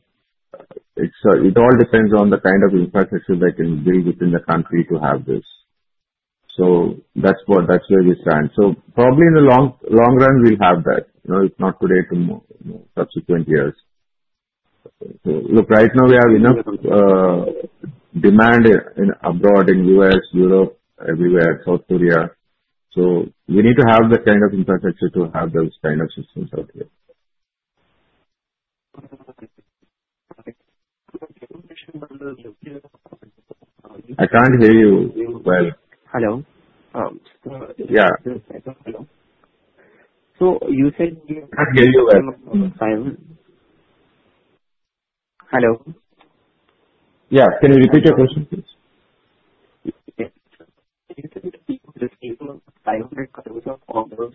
it all depends on the kind of infrastructure that can be built within the country to have this. So that's where we stand. So probably in the long run, we'll have that. It's not today, tomorrow, subsequent years. So look, right now we have enough demand abroad in the U.S., Europe, everywhere, South Korea. So we need to have that kind of infrastructure to have those kind of systems out here. I can't hear you well. Hello? Yeah. You said. I can't hear you well. Hello? Yeah. Can you repeat your question, please? Can you say that the people receive INR 500 crores of orders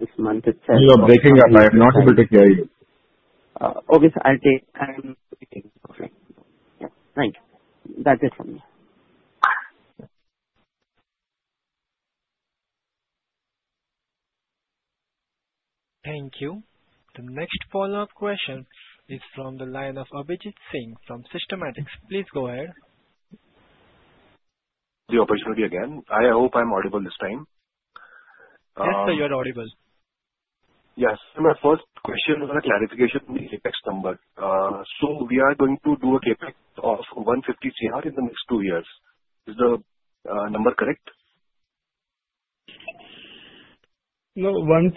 this month itself? You are breaking up. I'm not able to hear you. Okay, sir. I'll take it. I'm repeating. Okay. Yeah. Thank you. That's it from me. Thank you. The next follow-up question is from the line of Abhijeet Singh from Systematix. Please go ahead. The opportunity again. I hope I'm audible this time. Yes, sir, you're audible. Yes. My first question is a clarification on the CapEx number. So we are going to do a CapEx of 150 crore in the next two years. Is the number correct? No, 150+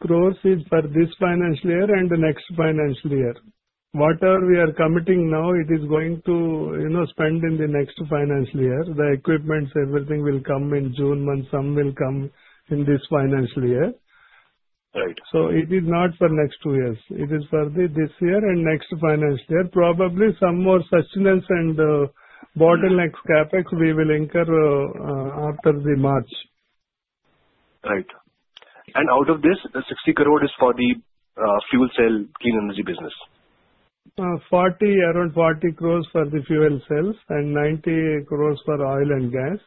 crores is for this financial year and the next financial year. Whatever we are committing now, it is going to spend in the next financial year. The equipment, everything will come in June month. Some will come in this financial year. So it is not for next two years. It is for this year and next financial year. Probably some more sustenance and bottlenecks, CapEx, we will incur after the March. Right. And out of this, the 60 crore is for the fuel cell clean energy business? Around 40 crores for the fuel cells and 90 crores for oil and gas.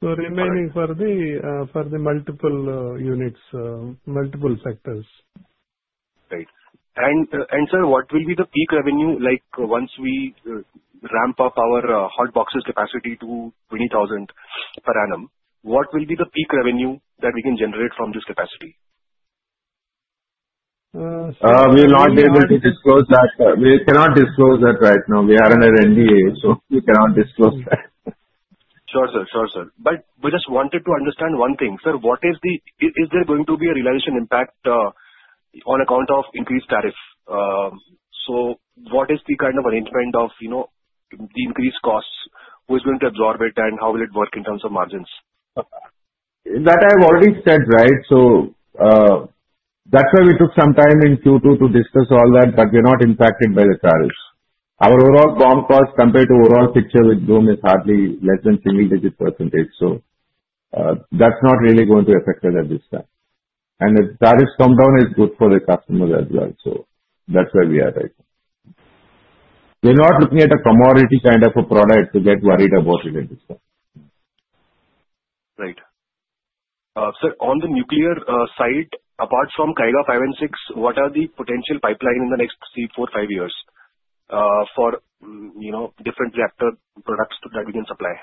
So remaining for the multiple units, multiple sectors. Right. And sir, what will be the peak revenue once we ramp up our Hot Boxes capacity to 20,000 per annum? What will be the peak revenue that we can generate from this capacity? We're not able to disclose that. We cannot disclose that right now. We are under NDA, so we cannot disclose that. Sure, sir. Sure, sir. But we just wanted to understand one thing. Sir, what is, is there going to be a realization impact on account of increased tariffs? So what is the kind of arrangement of the increased costs? Who is going to absorb it, and how will it work in terms of margins? That I have already said, right? So that's why we took some time in Q2 to discuss all that, but we're not impacted by the tariffs. Our overall BOM cost compared to overall picture with Bloom is hardly less than single-digit percentage. So that's not really going to affect us at this time, and the tariffs come down is good for the customers as well. So that's where we are right now. We're not looking at a commodity kind of a product to get worried about it at this time. Right. Sir, on the nuclear side, apart from Kaiga 5 and 6, what are the potential pipeline in the next three, four, five years for different reactor products that we can supply?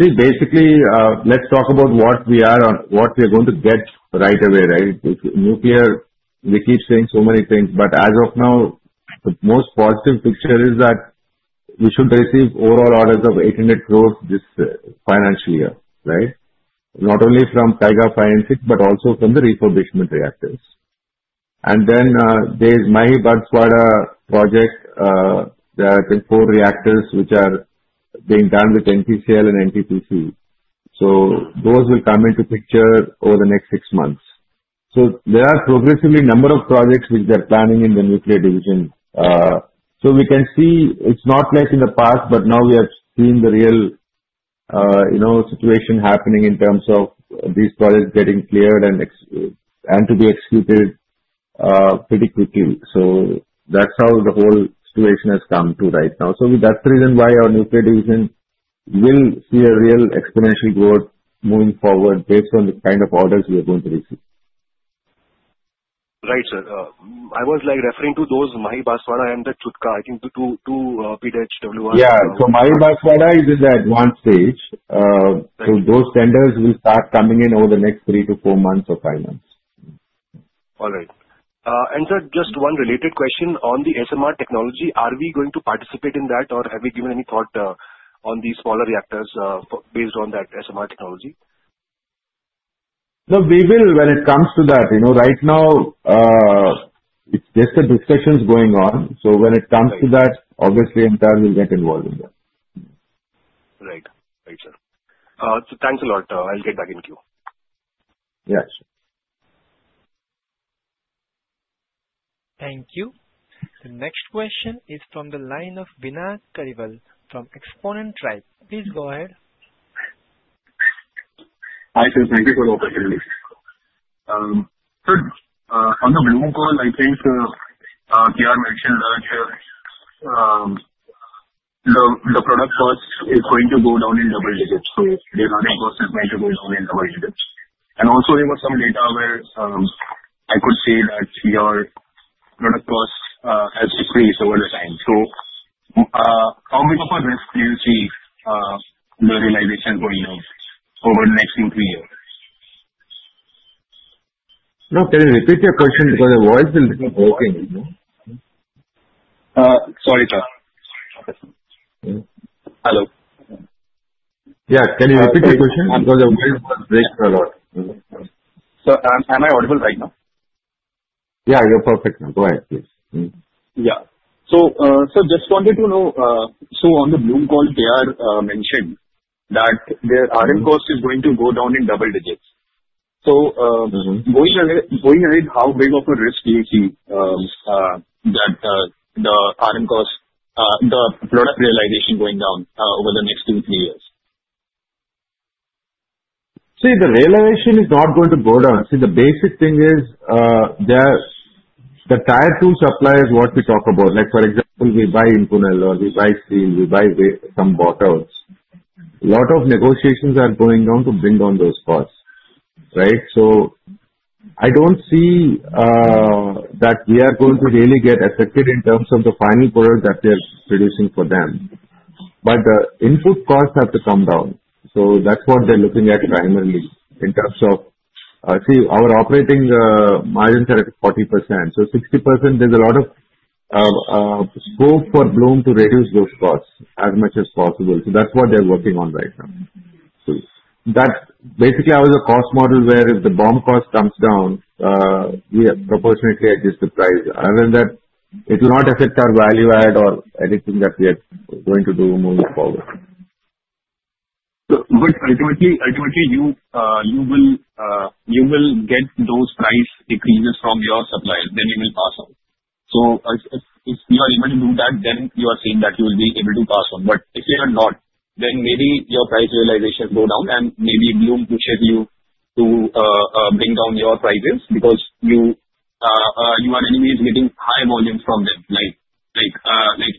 See, basically, let's talk about what we are going to get right away, right? Nuclear, we keep saying so many things, but as of now, the most positive picture is that we should receive overall orders of 800 crores this financial year, right? Not only from Kaiga 5 and 6, but also from the refurbishment reactors. And then there is Mahi Banswara project. There are I think four reactors which are being done with NPCIL and NTPC. So those will come into picture over the next six months. So there are progressively a number of projects which they're planning in the nuclear division. So we can see it's not like in the past, but now we have seen the real situation happening in terms of these projects getting cleared and to be executed pretty quickly. So that's how the whole situation has come to right now. So that's the reason why our nuclear division will see a real exponential growth moving forward based on the kind of orders we are going to receive. Right, sir. I was referring to those Mahi Banswara and the Chutka, I think the two PHWRs. Yeah. So Mahi Banswara is in the advanced stage. So those tenders will start coming in over the next three-four months or five months. All right. And sir, just one related question. On the SMR technology, are we going to participate in that, or have you given any thought on the smaller reactors based on that SMR technology? No, we will when it comes to that. Right now, it's just the discussions going on. So when it comes to that, obviously, Intel will get involved in that. Right. Right, sir. So thanks a lot. I'll get back to you. Yeah, sure. Thank you. The next question is from the line of Vinayak Kariwal from Xponent Tribe. Please go ahead. Hi, sir. Thank you for the opportunity. Sir, on the Bloom call, I think PR mentioned earlier, the product cost is going to go down in double digits. So the running cost is going to go down in double digits. And also, there was some data where I could see that your product cost has decreased over time. So how much of a risk do you see the realization going up over the next two to three years? No, can you repeat your question? Because the voice is a bit broken. Sorry, sir. Okay. Hello. Yeah, can you repeat your question? Because the voice was breaking a lot. Sir, am I audible right now? Yeah, you're perfect now. Go ahead, please. Yeah. So, sir, just wanted to know, so on the Bloom call, PR mentioned that the RM cost is going to go down in double digits. So going ahead, how big of a risk do you see that the RM cost, the product realization going down over the next two to three years? See, the realization is not going to go down. See, the basic thing is the raw material supply is what we talk about. For example, we buy Inconel, or we buy steel, we buy some alloys. A lot of negotiations are going on to bring down those costs, right? So I don't see that we are going to really get affected in terms of the final product that they're producing for them. But the input costs have to come down. So that's what they're looking at primarily in terms of, see, our operating margins are at 40%. So 60%, there's a lot of scope for Bloom to reduce those costs as much as possible. So that's what they're working on right now. So that basically has a cost model where if the BOM cost comes down, we proportionately adjust the price. Other than that, it will not affect our value add or anything that we are going to do moving forward. But ultimately, you will get those price increases from your suppliers, then you will pass on. So if you are able to do that, then you are saying that you will be able to pass on. But if you are not, then maybe your price realization goes down, and maybe Bloom pushes you to bring down your prices because you are anyways getting high volume from them, like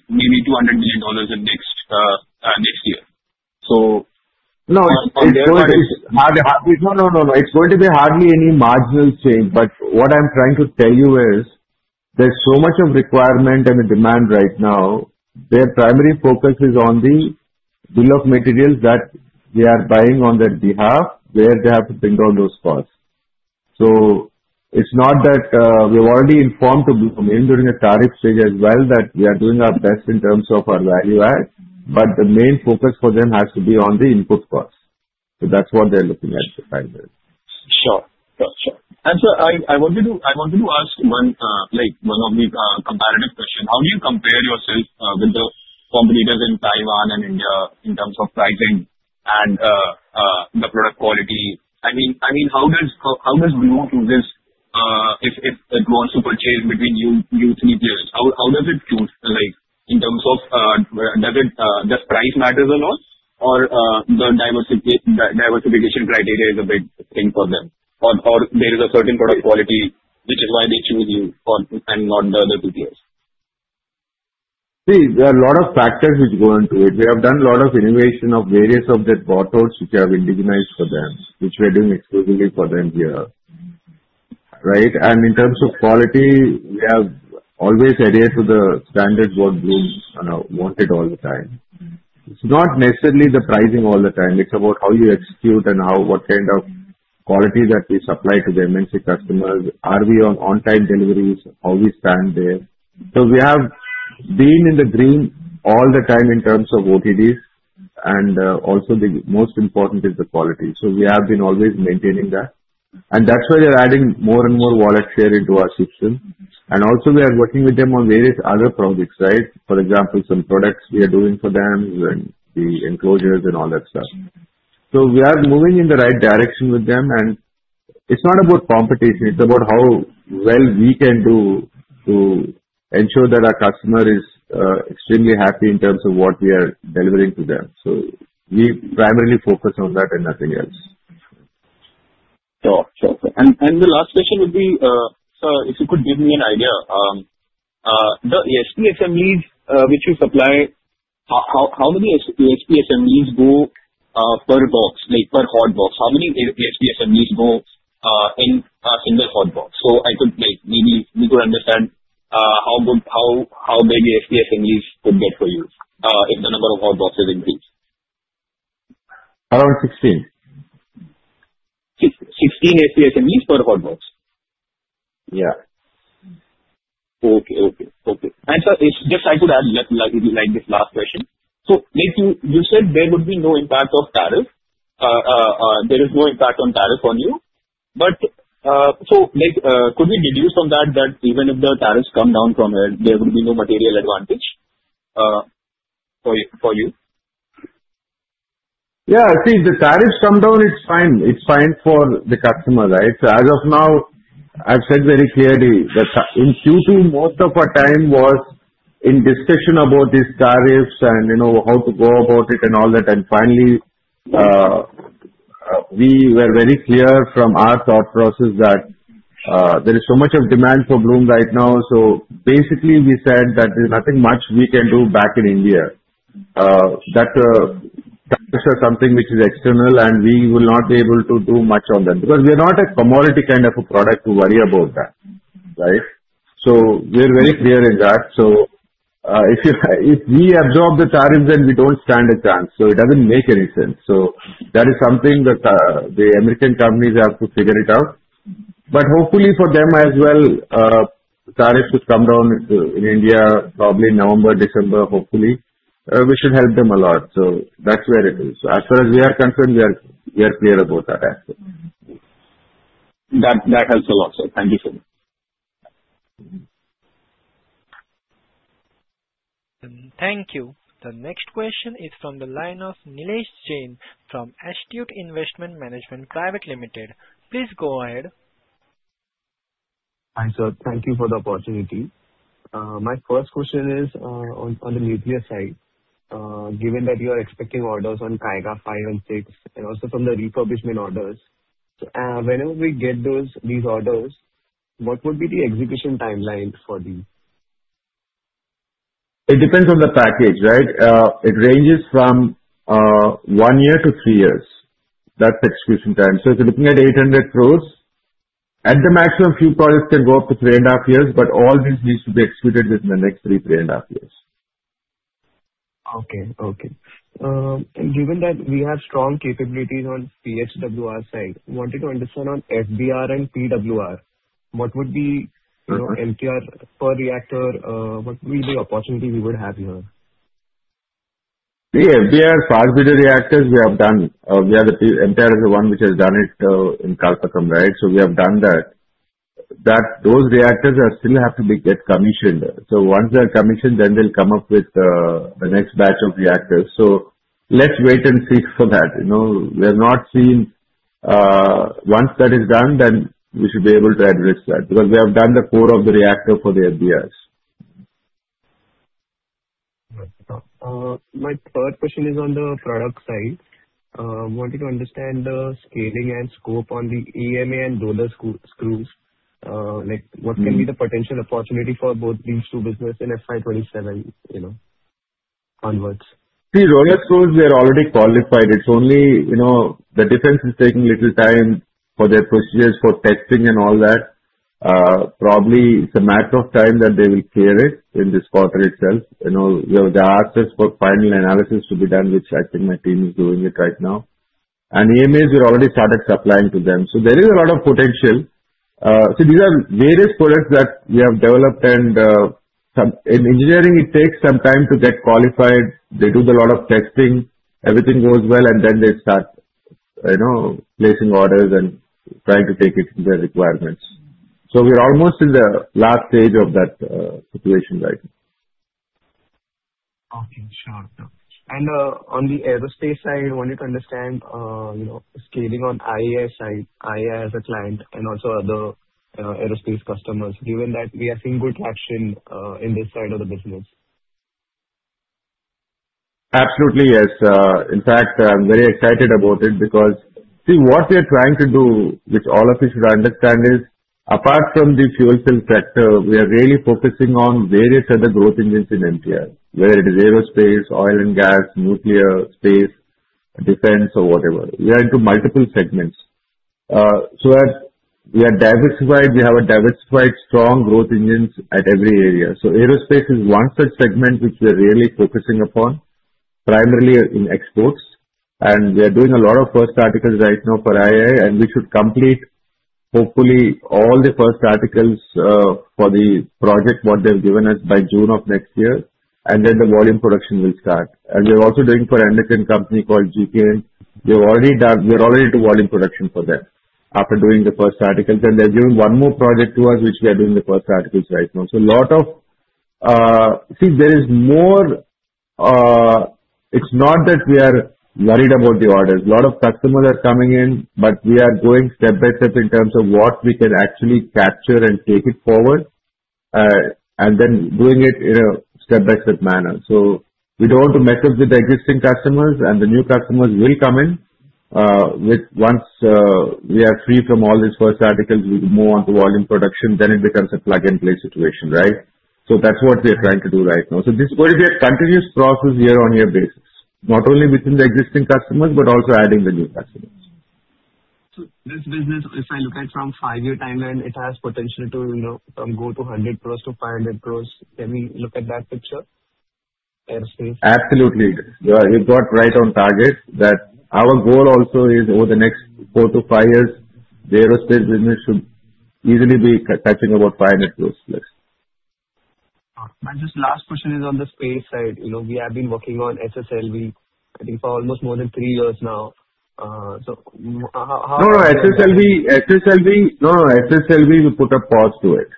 maybe $200 million in next year. So. No, it's going to be hardly. No, no, no, no. It's going to be hardly any marginal change. But what I'm trying to tell you is there's so much of requirement and demand right now. Their primary focus is on the bill of materials that they are buying on their behalf, where they have to bring down those costs. So it's not that we have already informed to Bloom during the tariff stage as well that we are doing our best in terms of our value add, but the main focus for them has to be on the input costs. So that's what they're looking at right now. Sure. Sure. Sure. And sir, I wanted to ask one of the comparative questions. How do you compare yourself with the competitors in Taiwan and India in terms of pricing and the product quality? I mean, how does Bloom choose if it wants to purchase between you three peers? How does it choose in terms of does price matter a lot, or the diversification criteria is a big thing for them, or there is a certain product quality which is why they choose you and not the other two peers? See, there are a lot of factors which go into it. We have done a lot of innovation of various of the parts which we have indigenized for them, which we are doing exclusively for them here, right? And in terms of quality, we have always adhered to the standards what Bloom wanted all the time. It's not necessarily the pricing all the time. It's about how you execute and what kind of quality that we supply to the MNC customers. Are we on-time deliveries? How we stand there? So we have been in the green all the time in terms of OTDs. And also, the most important is the quality. So we have been always maintaining that. And that's why they're adding more and more wallet share into our system. And also, we are working with them on various other projects, right? For example, some products we are doing for them and the enclosures and all that stuff. So we are moving in the right direction with them. And it's not about competition. It's about how well we can do to ensure that our customer is extremely happy in terms of what we are delivering to them. So we primarily focus on that and nothing else. Sure. Sure. And the last question would be, sir, if you could give me an idea, the ASP assemblies which you supply, how many ASP assemblies go per box, like per Hot Box? How many ASP assemblies go in a single Hot Box? So I could maybe understand how big ASP assemblies could get for you if the number of Hot Boxes increased. Around 16. 16 ASP assemblies per Hot Box? Yeah. Okay. And sir, just I could add like this last question. So you said there would be no impact of tariff. There is no impact on tariff on you. But so could we deduce from that that even if the tariffs come down from here, there would be no material advantage for you? Yeah. See, the tariffs come down, it's fine. It's fine for the customer, right? So as of now, I've said very clearly that in Q2, most of our time was in discussion about these tariffs and how to go about it and all that. And finally, we were very clear from our thought process that there is so much of demand for Bloom right now. So basically, we said that there's nothing much we can do back in India. That is something which is external, and we will not be able to do much on them because we are not a commodity kind of a product to worry about that, right? So we're very clear in that. So if we absorb the tariffs, then we don't stand a chance. So it doesn't make any sense. So that is something that the American companies have to figure it out. But hopefully for them as well, tariffs should come down in India probably in November, December, hopefully. We should help them a lot, so that's where it is. As far as we are concerned, we are clear about that aspect. That helps a lot, sir. Thank you so much. Thank you. The next question is from the line of Nilesh Jain from Astute Investment Management Private Limited. Please go ahead. Hi, sir. Thank you for the opportunity. My first question is on the nuclear side. Given that you are expecting orders on Kaiga 5 and 6, and also from the refurbishment orders, whenever we get these orders, what would be the execution timeline for these? It depends on the package, right? It ranges from one year to three years. That's the execution time. So if you're looking at 800 crore, at the maximum, a few products can go up to three and a half years, but all these needs to be executed within the next three, three and a half years. And given that we have strong capabilities on PHWR side, wanted to understand on FBR and PWR, what would be MTAR per reactor? What would be the opportunity we would have here? The FBR, 500 reactors, we have done. MTAR is the one which has done it in Kalpakkam, right? So we have done that. Those reactors still have to get commissioned. So once they're commissioned, then they'll come up with the next batch of reactors. So let's wait and see for that. We have not seen. Once that is done, then we should be able to address that because we have done the core of the reactor for the FBRs. My third question is on the product side. Wanted to understand the scaling and scope on the EMA and roller screws. What can be the potential opportunity for both these two businesses and FY27 converts? See, Roller Screws, they're already qualified. It's only the defense is taking little time for their procedures for testing and all that. Probably it's a matter of time that they will clear it in this quarter itself. The ask is for final analysis to be done, which I think my team is doing it right now. And EMAs, we've already started supplying to them. So there is a lot of potential. So these are various products that we have developed. And in engineering, it takes some time to get qualified. They do a lot of testing. Everything goes well, and then they start placing orders and trying to take it to their requirements. So we're almost in the last stage of that situation right now. Okay. Sure. And on the aerospace side, wanted to understand scaling on IAI side, IAI as a client, and also other aerospace customers, given that we are seeing good traction in this side of the business? Absolutely, yes. In fact, I'm very excited about it because see, what we are trying to do, which all of you should understand, is apart from the fuel cell sector, we are really focusing on various other growth engines in MTAR, whether it is aerospace, oil and gas, nuclear, space, defense, or whatever. We are into multiple segments. So we have diversified. We have diversified strong growth engines at every area. So aerospace is one such segment which we are really focusing upon, primarily in exports. And we are doing a lot of first articles right now for IAI, and we should complete, hopefully, all the first articles for the project what they've given us by June of next year. And then the volume production will start. And we're also doing for an American company called GKN. We're already into volume production for them after doing the first articles. They're giving one more project to us, which we are doing the first articles right now. So, a lot to see, there is more. It's not that we are worried about the orders. A lot of customers are coming in, but we are going step by step in terms of what we can actually capture and take it forward and then doing it in a step-by-step manner. So we don't want to mess up with the existing customers, and the new customers will come in. Once we are free from all these first articles, we can move on to volume production. Then it becomes a plug-and-play situation, right? So that's what we are trying to do right now. So this is going to be a continuous process year-on-year basis, not only within the existing customers, but also adding the new customers. This business, if I look at it from five-year timeline, it has potential to go to 100 crores to 500 crores. Can we look at that picture? Aerospace. Absolutely. You've got right on target that our goal also is over the next four to five years, the aerospace business should easily be touching about 500 crores+. And just last question is on the space side. We have been working on SSLV, I think, for almost more than three years now. So how. No, no. SSLV, no, no. SSLV, we put a pause to it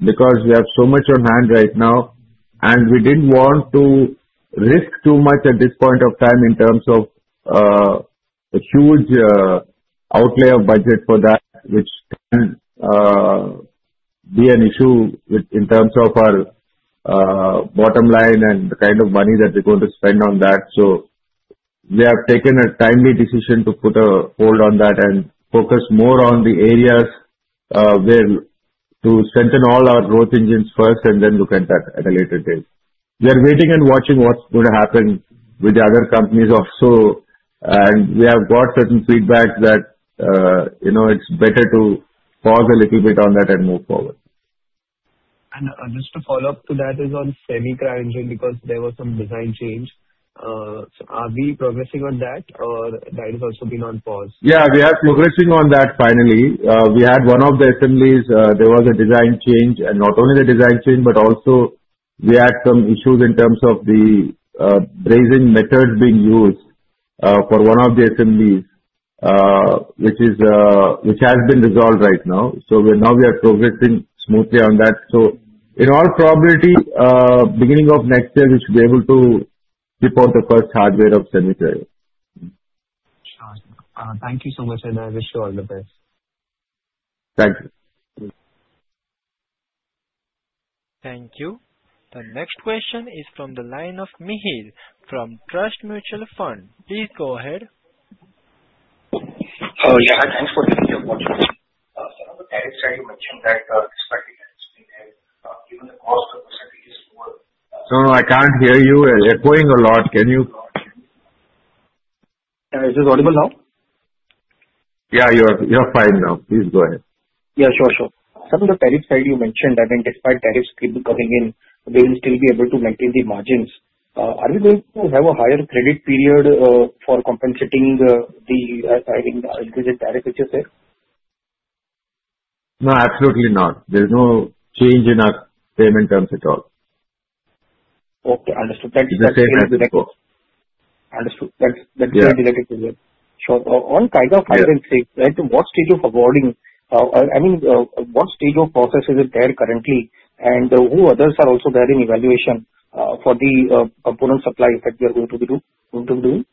because we have so much on hand right now. And we didn't want to risk too much at this point of time in terms of a huge outlay of budget for that, which can be an issue in terms of our bottom line and the kind of money that we're going to spend on that. So we have taken a timely decision to put a hold on that and focus more on the areas to strengthen all our growth engines first and then look at that at a later date. We are waiting and watching what's going to happen with the other companies also. And we have got certain feedback that it's better to pause a little bit on that and move forward. Just to follow up on that is on semi-cryogenic because there was some design change. So, are we progressing on that, or has that also been on pause? Yeah, we are progressing on that finally. We had one of the assemblies. There was a design change, and not only the design change, but also we had some issues in terms of the brazing method being used for one of the assemblies, which has been resolved right now. So now we are progressing smoothly on that. So in all probability, beginning of next year, we should be able to deploy the first hardware of semi-cryo. Sure. Thank you so much, and I wish you all the best. Thank you. Thank you. The next question is from the line of Mihir from TRUST Mutual Fund. Please go ahead. Oh, yeah. Thanks for taking the opportunity. So on the tariff side, you mentioned that expected tariffs being hit. Given the cost of percentages for. No, I can't hear you. We're going a lot. Can you? Yeah. Is this audible now? Yeah, you're fine now. Please go ahead. Yeah, sure, sure. Some of the tariff side you mentioned, I mean, despite tariffs keeping coming in, they will still be able to maintain the margins. Are we going to have a higher credit period for compensating the increasing tariff, which you said? No, absolutely not. There's no change in our payment terms at all. Okay. Understood. Then let's go ahead. It's the same as before. Understood. Then let's go ahead and take it. Sure. On Kaiga 5 and 6, right, what stage of awarding I mean, what stage of process is it there currently? And who others are also there in evaluation for the component supply that you are going to be doing?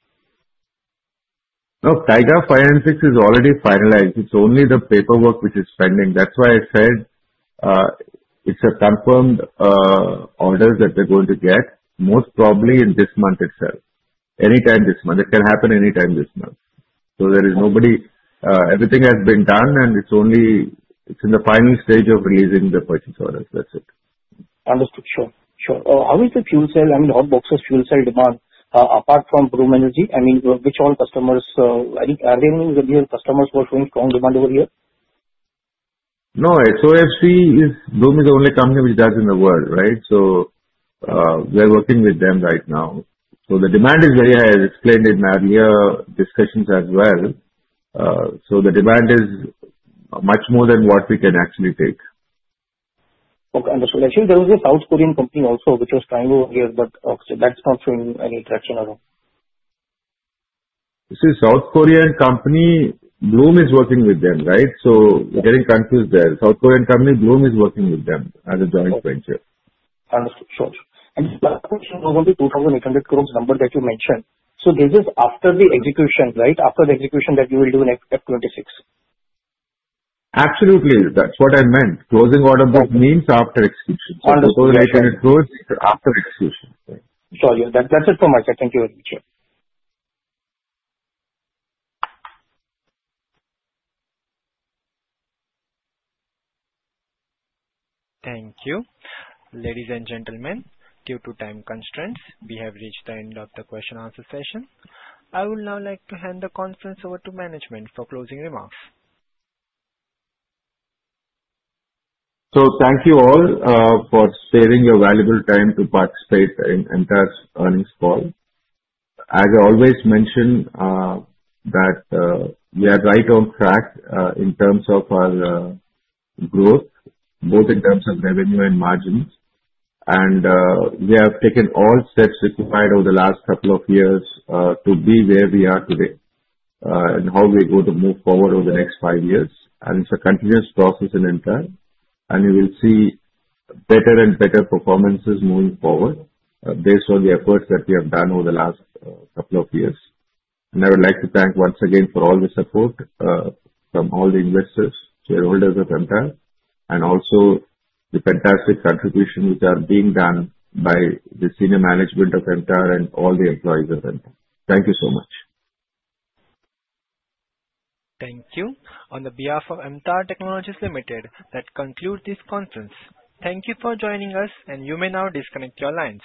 No, Kaiga 5 and 6 is already finalized. It's only the paperwork which is pending. That's why I said it's a confirmed order that they're going to get, most probably in this month itself, anytime this month. It can happen anytime this month. So there is no doubt everything has been done, and it's in the final stage of releasing the purchase orders. That's it. Understood. Sure. Sure. How is the fuel cell, I mean, Hot Box's fuel cell demand, apart from Bloom Energy? I mean, which all customers are they the only customers who are showing strong demand over here? No, SOFC is Bloom is the only company which does in the world, right? So we are working with them right now. So the demand is very high. I explained it in earlier discussions as well. So the demand is much more than what we can actually take. Okay. Understood. I hear there was a South Korean company also which was trying over here, but that's not showing any traction at all. You see, South Korean company, Bloom is working with them, right? So we're getting confused there. South Korean company, Bloom is working with them as a joint venture. Understood. Sure. And the last question was on the 2,800 crores number that you mentioned. So this is after the execution, right? After the execution that you will do in FY26? Absolutely. That's what I meant. Closing order book means after execution. So INR 2,800 crores after execution. Sure. Yeah. That's it from my side. Thank you very much, sir. Thank you. Ladies and gentlemen, due to time constraints, we have reached the end of the question-answer session. I will now like to hand the conference over to management for closing remarks. So thank you all for saving your valuable time to participate in MTAR's earnings call. As I always mentioned, that we are right on track in terms of our growth, both in terms of revenue and margins. And we have taken all steps required over the last couple of years to be where we are today and how we are going to move forward over the next five years. And it's a continuous process in MTAR. And we will see better and better performances moving forward based on the efforts that we have done over the last couple of years. And I would like to thank once again for all the support from all the investors, shareholders of MTAR, and also the fantastic contribution which are being done by the senior management of MTAR and all the employees of MTAR. Thank you so much. Thank you. On behalf of MTAR Technologies Limited, that concludes this conference. Thank you for joining us, and you may now disconnect your lines.